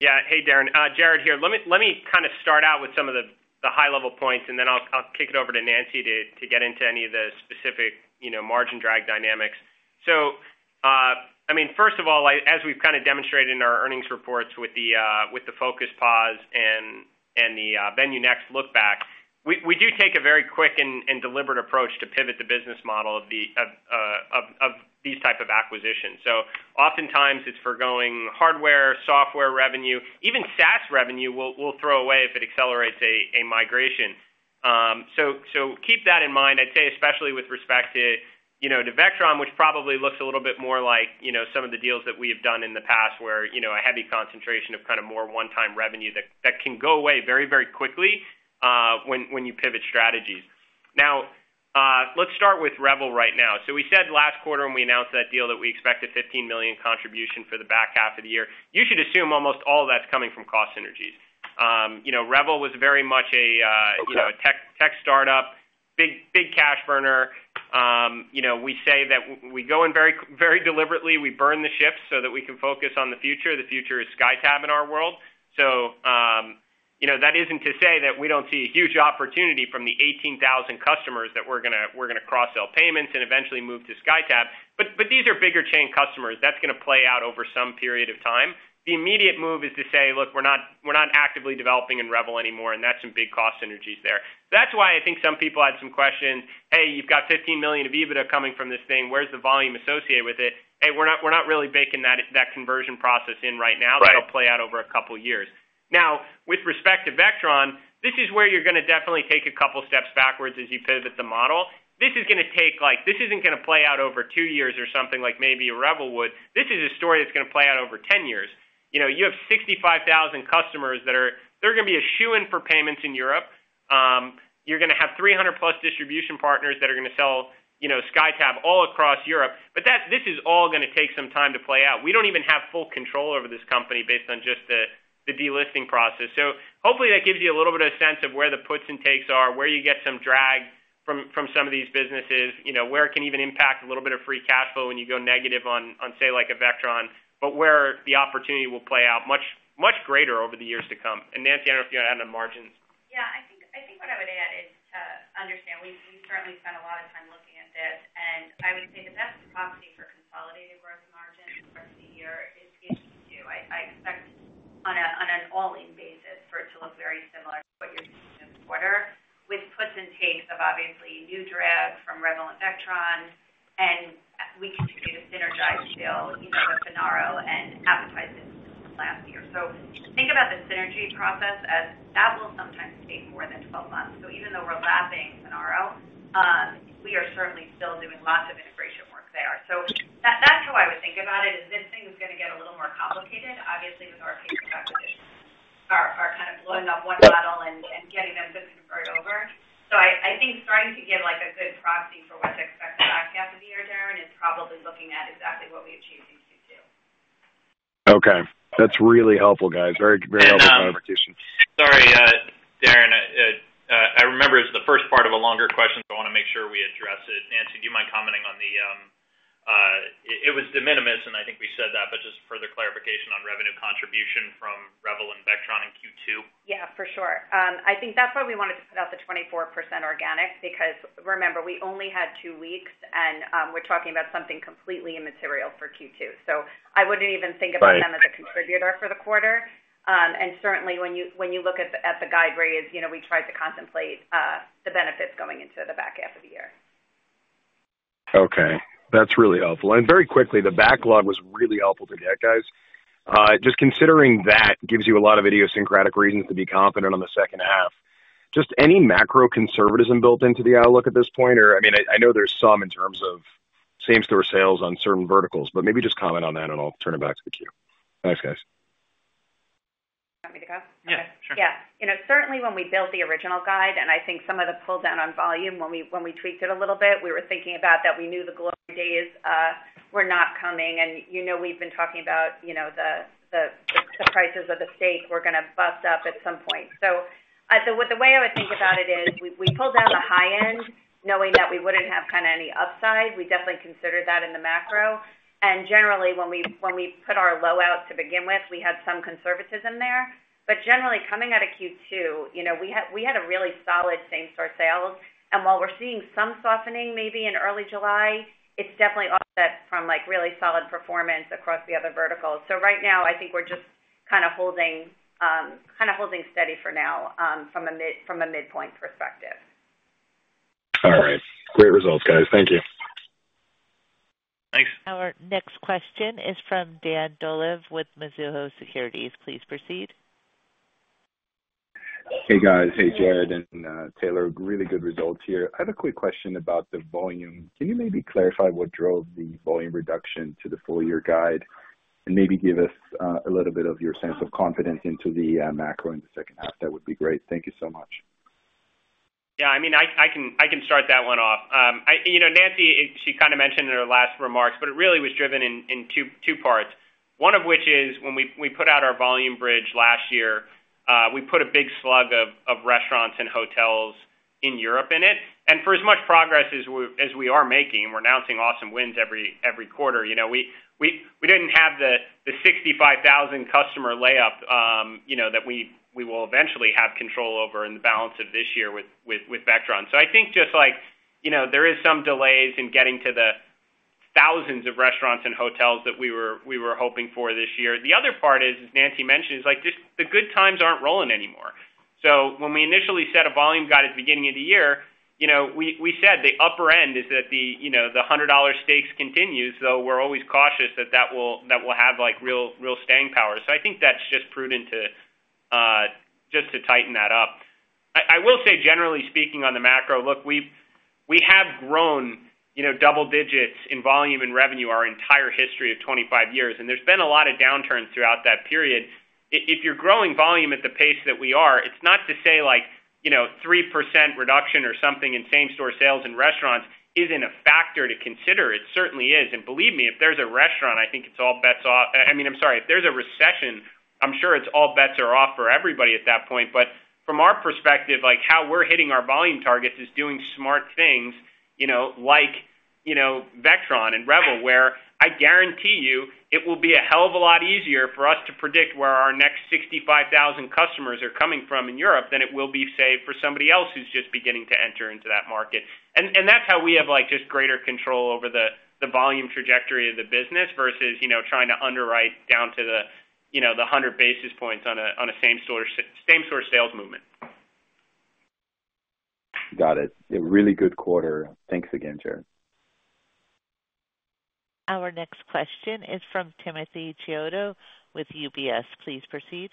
Yeah. Hey, Darren, Jared here. Let me, let me kind of start out with some of the, the high-level points, and then I'll, I'll kick it over to Nancy to, to get into any of the specific, you know, margin drag dynamics. So, I mean, first of all, I, as we've kind of demonstrated in our earnings reports with the, with the Focus POS and, and the, VenueNext look back, we, we do take a very quick and, and deliberate approach to pivot the business model of the, of, of these type of acquisitions. So oftentimes it's forgoing hardware, software revenue. Even SaaS revenue, we'll, we'll throw away if it accelerates a, a migration. So keep that in mind, I'd say, especially with respect to, you know, to Vectron, which probably looks a little bit more like, you know, some of the deals that we have done in the past, where, you know, a heavy concentration of kind of more one-time revenue that can go away very, very quickly, when you pivot strategies. Now, let's start with Revel right now. So we said last quarter when we announced that deal, that we expect a $15 million contribution for the back half of the year. You should assume almost all of that's coming from cost synergies. You know, Revel was very much a, you know- Okay. a tech, tech startup, big, big cash burner. You know, we say that we go in very, very deliberately. We burn the ships so that we can focus on the future. The future is SkyTab in our world. So, you know, that isn't to say that we don't see a huge opportunity from the 18,000 customers that we're gonna cross-sell payments and eventually move to SkyTab. But these are bigger chain customers. That's gonna play out over some period of time. The immediate move is to say, "Look, we're not actively developing in Revel anymore," and that's some big cost synergies there. That's why I think some people had some questions, "Hey, you've got $15 million of EBITDA coming from this thing. Where's the volume associated with it?" Hey, we're not really baking that conversion process in right now. Right. It'll play out over a couple of years. Now, with respect to Vectron, this is where you're gonna definitely take a couple steps backwards as you pivot the model. This is gonna take, like, this isn't gonna play out over two years or something like maybe a Revel would. This is a story that's gonna play out over 10 years. You know, you have 65,000 customers that are, they're gonna be a shoo-in for payments in Europe. You're gonna have 300+ distribution partners that are gonna sell, you know, SkyTab all across Europe, but that, this is all gonna take some time to play out. We don't even have full control over this company based on just the, the delisting process. So hopefully, that gives you a little bit of sense of where the puts and takes are, where you get some drag from, from some of these businesses, you know, where it can even impact a little bit of free cash flow when you go negative on, on, say, like a Vectron, but where the opportunity will play out much, much greater over the years to come. And Nancy, I don't know if you want to add on the margins. Yeah, I think what I would add is to understand, we certainly spent a lot of time looking at this, and I would say the best proxy for consolidated gross margin for the year is Q2. I expect on an all-in basis for it to look very similar to what you're seeing in the quarter, with puts and takes of obviously new drag from Revel and Vectron, and we continue to synergize deals, you know, with Finaro and Appetize since last year. So think about the synergy process as that will sometimes take more than 12 months. So even though we're lapsing Finaro, we are certainly still doing lots of integration work there. So that's how I would think about it, is this thing is gonna get a little more complicated, obviously, with our acquisitions are kind of blowing up one model and getting them to convert over. So I think starting to give, like, a good proxy for what to expect the back half of the year, Darren, is probably looking at exactly what we achieved in Q2. Okay. That's really helpful, guys. Very, very helpful clarification. Sorry, Darren, I remember it's the first part of a longer question, so I wanna make sure we address it. Nancy, do you mind commenting on the, it, it was de minimis, and I think we said that, but just further clarification on revenue contribution from Revel and Vectron in Q2. Yeah, for sure. I think that's why we wanted to put out the 24% organic, because remember, we only had two weeks, and, we're talking about something completely immaterial for Q2, so I wouldn't even think of them- Right. - as a contributor for the quarter. And certainly, when you, when you look at the, at the guide raise, you know, we tried to contemplate, the benefits going into the back half of the year. Okay. That's really helpful. And very quickly, the backlog was really helpful to get, guys. Just considering that gives you a lot of idiosyncratic reasons to be confident on the second half. Just any macro conservatism built into the outlook at this point, or I mean, I know there's some in terms of same-store sales on certain verticals, but maybe just comment on that, and I'll turn it back to the queue. Thanks, guys. ... Yeah, sure. Yeah. You know, certainly when we built the original guide, and I think some of the pull down on volume when we tweaked it a little bit, we were thinking about that we knew the glory days were not coming. And, you know, we've been talking about, you know, the prices of the stake were gonna bust up at some point. So, the way I would think about it is, we pulled down the high end, knowing that we wouldn't have kind of any upside. We definitely considered that in the macro. And generally, when we put our low out to begin with, we had some conservatism there. But generally, coming out of Q2, you know, we had a really solid same-store sales. While we're seeing some softening maybe in early July, it's definitely offset from, like, really solid performance across the other verticals. Right now, I think we're just kind of holding, kind of holding steady for now, from a midpoint perspective. All right. Great results, guys. Thank you. Thanks. Our next question is from Dan Dolev, with Mizuho Securities. Please proceed. Hey, guys. Hey, Jared and, Taylor. Really good results here. I have a quick question about the volume. Can you maybe clarify what drove the volume reduction to the full year guide? And maybe give us a little bit of your sense of confidence into the macro in the second half. That would be great. Thank you so much. Yeah, I mean, I can start that one off. You know, Nancy, she kind of mentioned in her last remarks, but it really was driven in two parts. One of which is, when we put out our volume bridge last year, we put a big slug of restaurants and hotels in Europe in it. And for as much progress as we are making, we're announcing awesome wins every quarter. You know, we didn't have the 65,000 customer layup, you know, that we will eventually have control over in the balance of this year with Vectron. So I think just like, you know, there is some delays in getting to the thousands of restaurants and hotels that we were hoping for this year. The other part is, Nancy mentioned, is like, just the good times aren't rolling anymore. So when we initially set a volume guidance at the beginning of the year, you know, we said the upper end is that the, you know, the $100 steaks continues, though we're always cautious that that will have, like, real staying power. So I think that's just prudent to just to tighten that up. I will say, generally speaking, on the macro, look, we have grown, you know, double digits in volume and revenue our entire history of 25 years, and there's been a lot of downturns throughout that period. If you're growing volume at the pace that we are, it's not to say like, you know, 3% reduction or something in same-store sales and restaurants isn't a factor to consider. It certainly is. And believe me, if there's a restaurant, I think it's all bets off. I, I mean, I'm sorry, if there's a recession, I'm sure it's all bets are off for everybody at that point. But from our perspective, like, how we're hitting our volume targets is doing smart things, you know, like, you know, Vectron and Revel, where I guarantee you it will be a hell of a lot easier for us to predict where our next 65,000 customers are coming from in Europe than it will be, say, for somebody else who's just beginning to enter into that market. And, and that's how we have, like, just greater control over the, the volume trajectory of the business versus, you know, trying to underwrite down to the, you know, the 100 basis points on a, on a same-store sales movement. Got it. A really good quarter. Thanks again, Jared. Our next question is from Timothy Chiodo with UBS. Please proceed.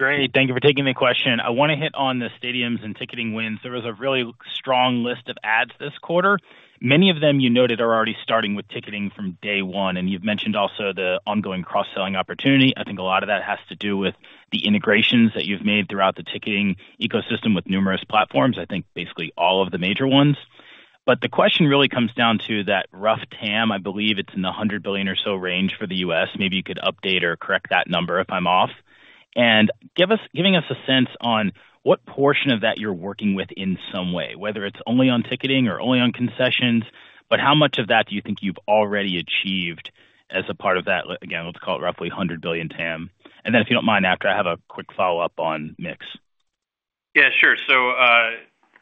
Great. Thank you for taking the question. I wanna hit on the stadiums and ticketing wins. There was a really strong list of adds this quarter. Many of them you noted, are already starting with ticketing from day one, and you've mentioned also the ongoing cross-selling opportunity. I think a lot of that has to do with the integrations that you've made throughout the ticketing ecosystem with numerous platforms, I think basically all of the major ones. But the question really comes down to that rough TAM. I believe it's in the $100 billion or so range for the US. Maybe you could update or correct that number if I'm off. And give us a sense on what portion of that you're working with in some way, whether it's only on ticketing or only on concessions, but how much of that do you think you've already achieved as a part of that, again, let's call it roughly 100 billion TAM? And then, if you don't mind, after, I have a quick follow-up on mix. Yeah, sure. So,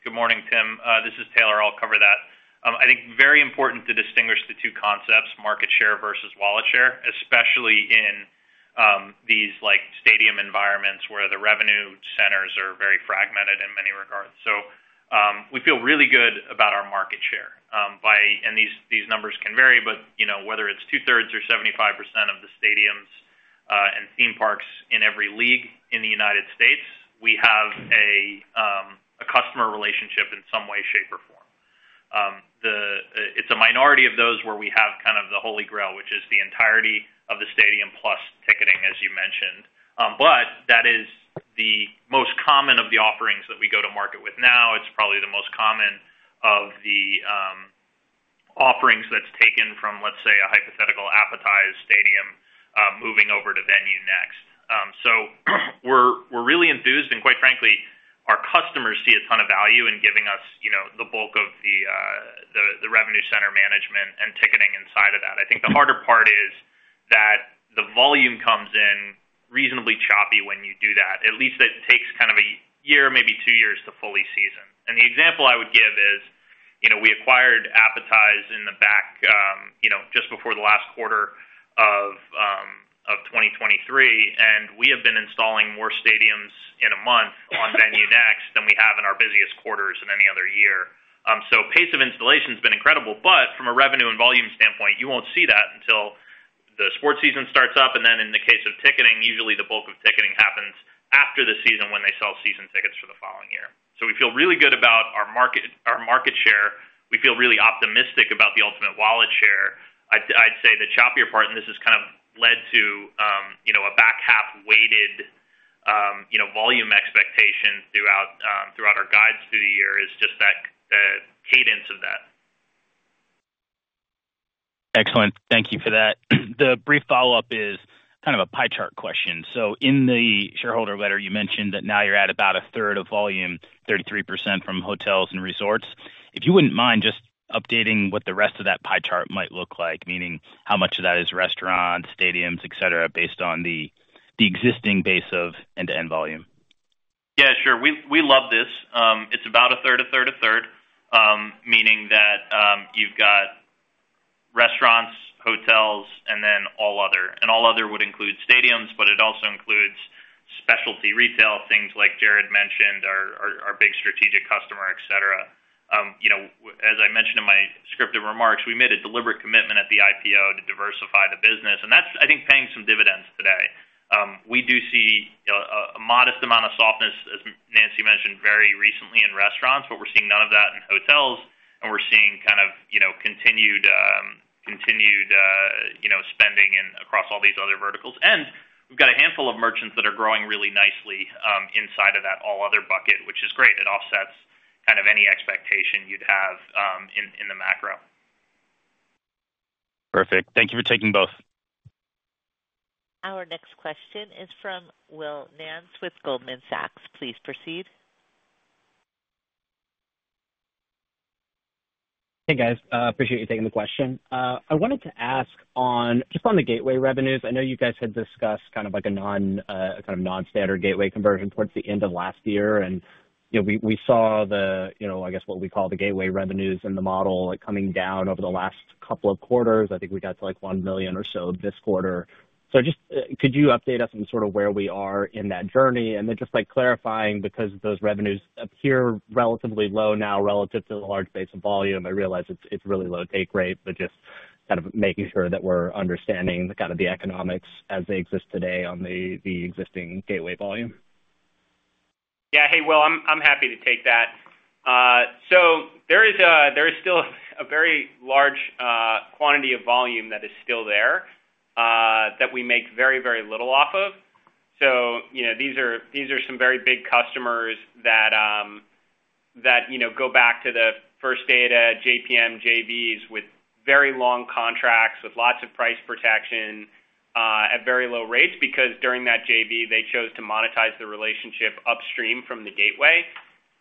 good morning, Tim. This is Taylor. I'll cover that. I think very important to distinguish the two concepts, market share versus wallet share, especially in these, like, stadium environments, where the revenue centers are very fragmented in many regards. So, we feel really good about our market share, by... And these numbers can vary, but you know, whether it's two-thirds or 75% of the stadiums and theme parks in every league in the United States, we have a customer relationship in some way, shape, or form. It's a minority of those where we have kind of the holy grail, which is the entirety of the stadium plus ticketing, as you mentioned. But that is the most common of the offerings that we go to market with now. It's probably the most common of the offerings that's taken from, let's say, a hypothetical Appetize stadium, moving over to VenueNext. So we're really enthused, and quite frankly, our customers see a ton of value in giving us, you know, the bulk of the revenue center management and ticketing inside of that. I think the harder part is that the volume comes in reasonably choppy when you do that. At least it takes kind of a year, maybe two years, to fully season. And the example I would give is, you know, we acquired Appetize in the back, just before the last quarter of 2023, and we have been installing more stadiums in a month on VenueNext than we have in our busiest quarters in any other year. So pace of installation has been incredible, but from a revenue and volume standpoint, you won't see that until the sports season starts up. And then in the case of ticketing, usually the bulk of ticketing happens after the season when they sell season tickets for the fall.... We feel really good about our market, our market share. We feel really optimistic about the ultimate wallet share. I'd, I'd say the choppier part, and this has kind of led to, you know, a back half weighted, you know, volume expectation throughout, throughout our guides through the year, is just that, cadence of that. Excellent. Thank you for that. The brief follow-up is kind of a pie chart question. So in the shareholder letter, you mentioned that now you're at about a third of volume, 33% from hotels and resorts. If you wouldn't mind just updating what the rest of that pie chart might look like, meaning how much of that is restaurants, stadiums, et cetera, based on the existing base of end-to-end volume? Yeah, sure. We love this. It's about a third, a third, a third, meaning that you've got restaurants, hotels, and then all other. All other would include stadiums, but it also includes specialty retail, things like Jared mentioned, our big strategic customer, et cetera. You know, as I mentioned in my scripted remarks, we made a deliberate commitment at the IPO to diversify the business, and that's, I think, paying some dividends today. We do see a modest amount of softness, as Nancy mentioned, very recently in restaurants, but we're seeing none of that in hotels, and we're seeing kind of, you know, continued spending across all these other verticals. We've got a handful of merchants that are growing really nicely inside of that all other bucket, which is great. It offsets kind of any expectation you'd have in the macro. Perfect. Thank you for taking both. Our next question is from Will Nance with Goldman Sachs. Please proceed. Hey, guys, appreciate you taking the question. I wanted to ask just on the gateway revenues. I know you guys had discussed kind of like a kind of non-standard gateway conversion towards the end of last year, and, you know, we saw the, you know, I guess, what we call the gateway revenues in the model, like, coming down over the last couple of quarters. I think we got to, like, $1 million or so this quarter. So just, could you update us on sort of where we are in that journey? And then just, like, clarifying, because those revenues appear relatively low now, relative to the large base of volume. I realize it's really low take rate, but just kind of making sure that we're understanding the kind of the economics as they exist today on the existing gateway volume. Yeah. Hey, Will, I'm happy to take that. So there is a-- There is still a very large quantity of volume that is still there that we make very, very little off of. So, you know, these are some very big customers that, you know, go back to the First Data, JPM JVs, with very long contracts, with lots of price protection at very low rates, because during that JV, they chose to monetize the relationship upstream from the gateway.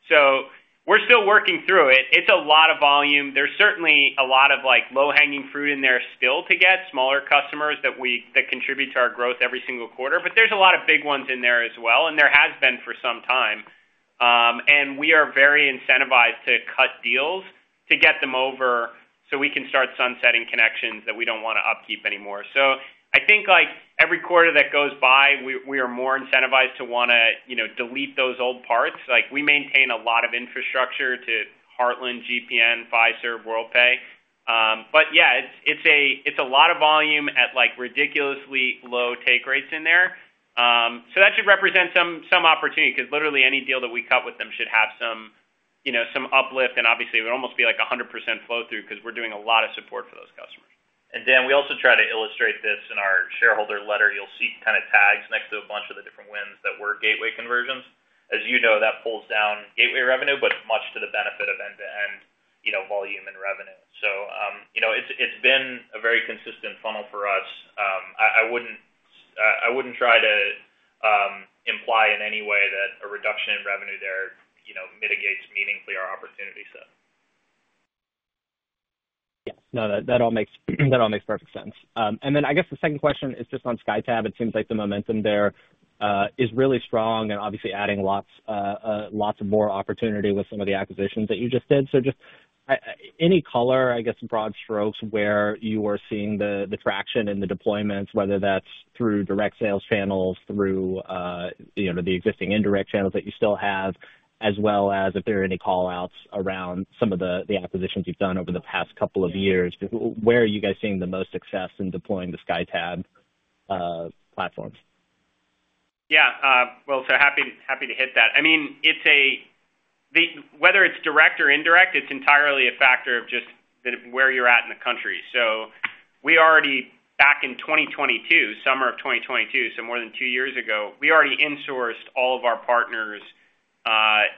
So we're still working through it. It's a lot of volume. There's certainly a lot of, like, low-hanging fruit in there still to get, smaller customers that contribute to our growth every single quarter. But there's a lot of big ones in there as well, and there has been for some time. And we are very incentivized to cut deals to get them over so we can start sunsetting connections that we don't wanna upkeep anymore. So I think, like, every quarter that goes by, we are more incentivized to wanna, you know, delete those old parts. Like, we maintain a lot of infrastructure to Heartland, GPN, Fiserv, Worldpay. But yeah, it's a lot of volume at, like, ridiculously low take rates in there. So that should represent some opportunity, 'cause literally any deal that we cut with them should have some, you know, some uplift, and obviously, it would almost be like 100% flow through because we're doing a lot of support for those customers. And Dan, we also try to illustrate this in our shareholder letter. You'll see kind of tags next to a bunch of the different wins that were gateway conversions. As you know, that pulls down gateway revenue, but much to the benefit of end-to-end, you know, volume and revenue. So, you know, it's, it's been a very consistent funnel for us. I wouldn't try to imply in any way that a reduction in revenue there, you know, mitigates meaningfully our opportunity set. Yes. No, that all makes, that all makes perfect sense. And then I guess the second question is just on SkyTab. It seems like the momentum there is really strong and obviously adding lots, lots of more opportunity with some of the acquisitions that you just did. So just any color, I guess, broad strokes, where you are seeing the traction and the deployments, whether that's through direct sales channels, through, you know, the existing indirect channels that you still have, as well as if there are any call-outs around some of the acquisitions you've done over the past couple of years. Where are you guys seeing the most success in deploying the SkyTab platforms? Yeah, well, so happy to hit that. I mean, it's whether it's direct or indirect, it's entirely a factor of just that, where you're at in the country. So we already, back in 2022, summer of 2022, so more than two years ago, we already insourced all of our partners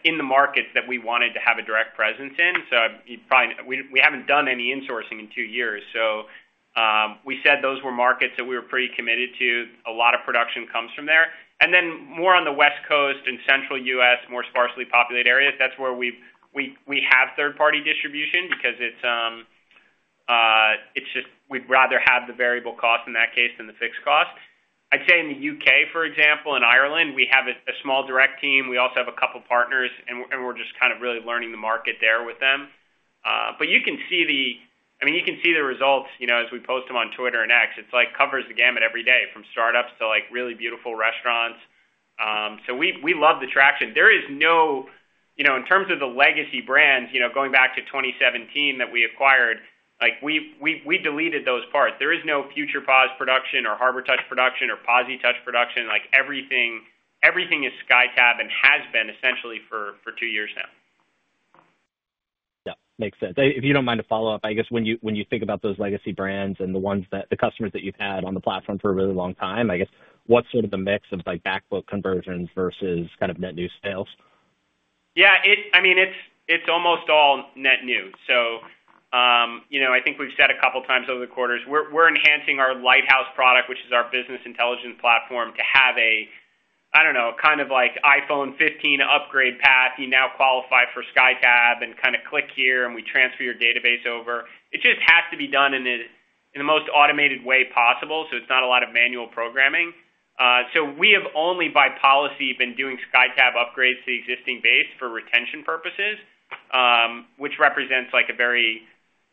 in the markets that we wanted to have a direct presence in. So you'd find... We haven't done any insourcing in two years, so we said those were markets that we were pretty committed to. A lot of production comes from there. And then more on the West Coast and Central U.S., more sparsely populated areas, that's where we have third-party distribution because it's just we'd rather have the variable cost in that case than the fixed cost. I'd say in the UK, for example, in Ireland, we have a small direct team. We also have a couple partners, and we're just kind of really learning the market there with them. But you can see the... I mean, you can see the results, you know, as we post them on Twitter and X. It's like, covers the gamut every day, from startups to, like, really beautiful restaurants. So we love the traction. There is no- you know, in terms of the legacy brands, you know, going back to 2017 that we acquired, like we deleted those parts. There is no future POS production or Harbortouch production or POSitouch production. Like, everything is SkyTab and has been essentially for two years now.... Makes sense. If you don't mind a follow-up, I guess when you, when you think about those legacy brands and the ones that the customers that you've had on the platform for a really long time, I guess, what's sort of the mix of, like, back book conversions versus kind of net new sales? Yeah, I mean, it's almost all net new. So, you know, I think we've said a couple of times over the quarters, we're enhancing our Lighthouse product, which is our business intelligence platform, to have a, I don't know, kind of like iPhone 15 upgrade path. You now qualify for SkyTab and kind of click here, and we transfer your database over. It just has to be done in a, in the most automated way possible, so it's not a lot of manual programming. So we have only by policy, been doing SkyTab upgrades to the existing base for retention purposes, which represents like a very,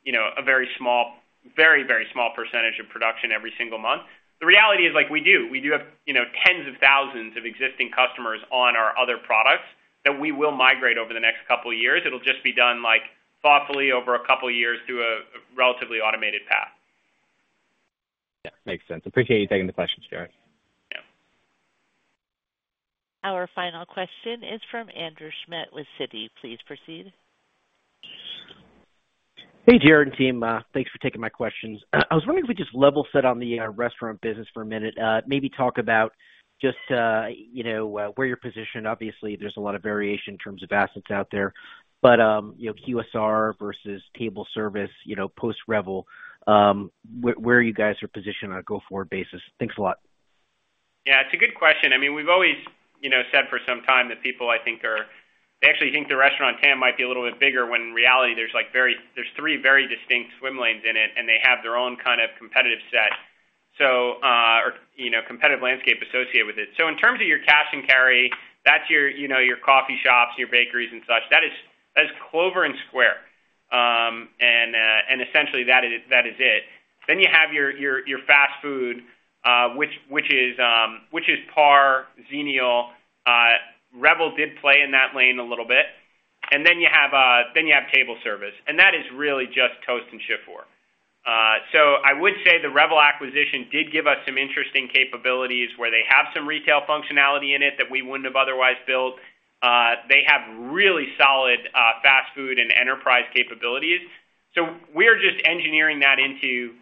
you know, a very small, very, very small percentage of production every single month. The reality is, like, we do. We do have, you know, tens of thousands of existing customers on our other products that we will migrate over the next couple of years. It'll just be done, like, thoughtfully over a couple of years through a, a relatively automated path. Yeah, makes sense. Appreciate you taking the question, Jared. Yeah. Our final question is from Andrew Schmidt with Citi. Please proceed. Hey, Jared and team. Thanks for taking my questions. I was wondering if we just level set on the restaurant business for a minute. Maybe talk about just, you know, where you're positioned. Obviously, there's a lot of variation in terms of assets out there. But, you know, QSR versus table service, you know, post Revel, where are you guys positioned on a go-forward basis? Thanks a lot. Yeah, it's a good question. I mean, we've always, you know, said for some time that people, I think, are, they actually think the restaurant TAM might be a little bit bigger, when in reality, there's like, very, there's three very distinct swim lanes in it, and they have their own kind of competitive set, so, or, you know, competitive landscape associated with it. So in terms of your cash and carry, that's your, you know, your coffee shops, your bakeries and such. That is, that is Clover and Square. And essentially, that is it. Then you have your fast food, which is Par, Xenial. Revel did play in that lane a little bit. And then you have table service, and that is really just Toast and Shift4. So I would say the Revel acquisition did give us some interesting capabilities where they have some retail functionality in it that we wouldn't have otherwise built. They have really solid fast food and enterprise capabilities. So we're just engineering that into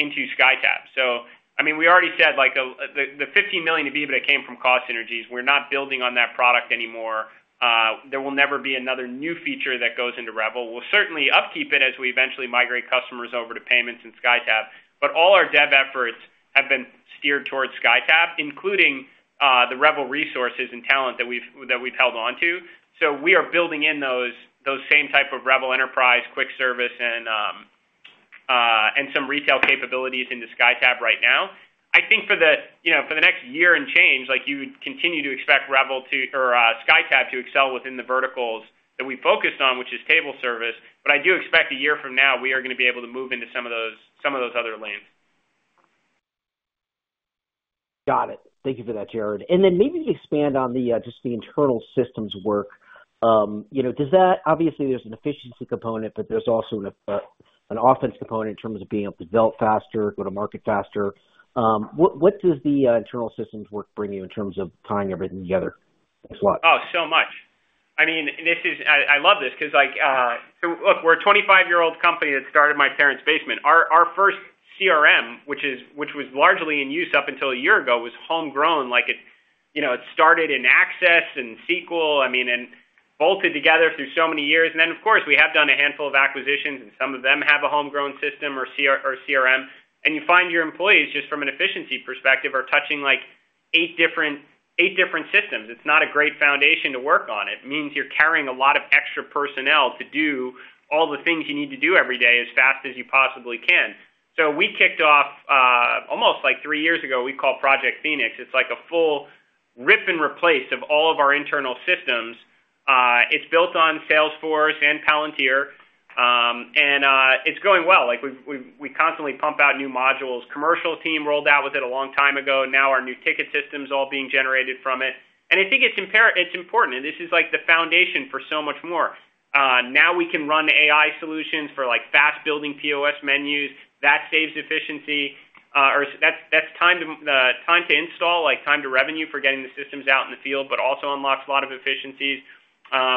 SkyTab. So, I mean, we already said, like, the $15 million of EBITDA came from cost synergies. We're not building on that product anymore. There will never be another new feature that goes into Revel. We'll certainly upkeep it as we eventually migrate customers over to payments and SkyTab, but all our dev efforts have been steered towards SkyTab, including the Revel resources and talent that we've held on to. So we are building in those same type of Revel enterprise, quick service and some retail capabilities into SkyTab right now. I think for the, you know, for the next year and change, like you would continue to expect Revel to or SkyTab to excel within the verticals that we focused on, which is table service. But I do expect a year from now, we are gonna be able to move into some of those, some of those other lanes. Got it. Thank you for that, Jared. And then maybe expand on the, just the internal systems work. You know, does that obviously, there's an efficiency component, but there's also an offense component in terms of being able to build faster, go to market faster. What does the internal systems work bring you in terms of tying everything together? Thanks a lot. Oh, so much. I mean, this is... I, I love this because, like, so look, we're a 25-year-old company that started in my parents' basement. Our, our first CRM, which is- which was largely in use up until a year ago, was homegrown. Like, it, you know, it started in Access and SQL, I mean, and bolted together through so many years. And then, of course, we have done a handful of acquisitions, and some of them have a homegrown system or CR- or CRM. And you find your employees, just from an efficiency perspective, are touching like, eight different, eight different systems. It's not a great foundation to work on. It means you're carrying a lot of extra personnel to do all the things you need to do every day, as fast as you possibly can. So we kicked off almost like three years ago, we call Project Phoenix. It's like a full rip and replace of all of our internal systems. It's built on Salesforce and Palantir, and it's going well. Like, we constantly pump out new modules. Commercial team rolled out with it a long time ago, and now our new ticket system is all being generated from it. And I think it's important, and this is like the foundation for so much more. Now we can run AI solutions for, like, fast building POS menus. That saves efficiency, or that's time to install, like, time to revenue for getting the systems out in the field, but also unlocks a lot of efficiencies.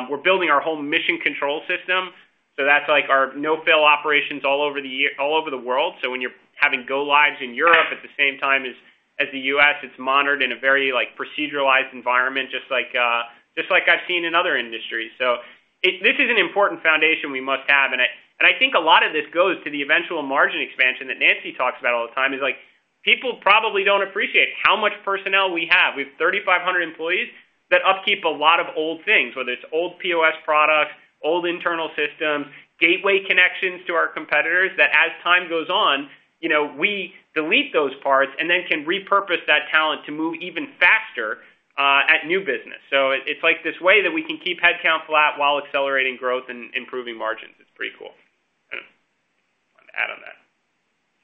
We're building our whole mission control system, so that's like our no-fail operations all over the world. So when you're having go-lives in Europe at the same time as the US, it's monitored in a very, like, proceduralized environment, just like I've seen in other industries. So this is an important foundation we must have, and I think a lot of this goes to the eventual margin expansion that Nancy talks about all the time, is like, people probably don't appreciate how much personnel we have. We have 3,500 employees that upkeep a lot of old things, whether it's old POS products, old internal systems, gateway connections to our competitors, that as time goes on, you know, we delete those parts and then can repurpose that talent to move even faster at new business. So it's like this way that we can keep headcount flat while accelerating growth and improving margins. It's pretty cool. Want to add on that?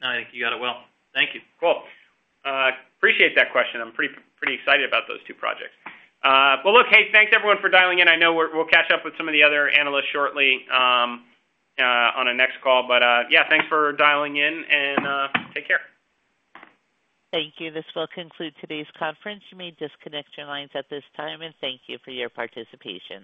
I think you got it well. Thank you. Cool. Appreciate that question. I'm pretty, pretty excited about those two projects. Well, look, hey, thanks, everyone, for dialing in. I know we'll catch up with some of the other analysts shortly on our next call. But yeah, thanks for dialing in and take care. Thank you. This will conclude today's conference. You may disconnect your lines at this time, and thank you for your participation.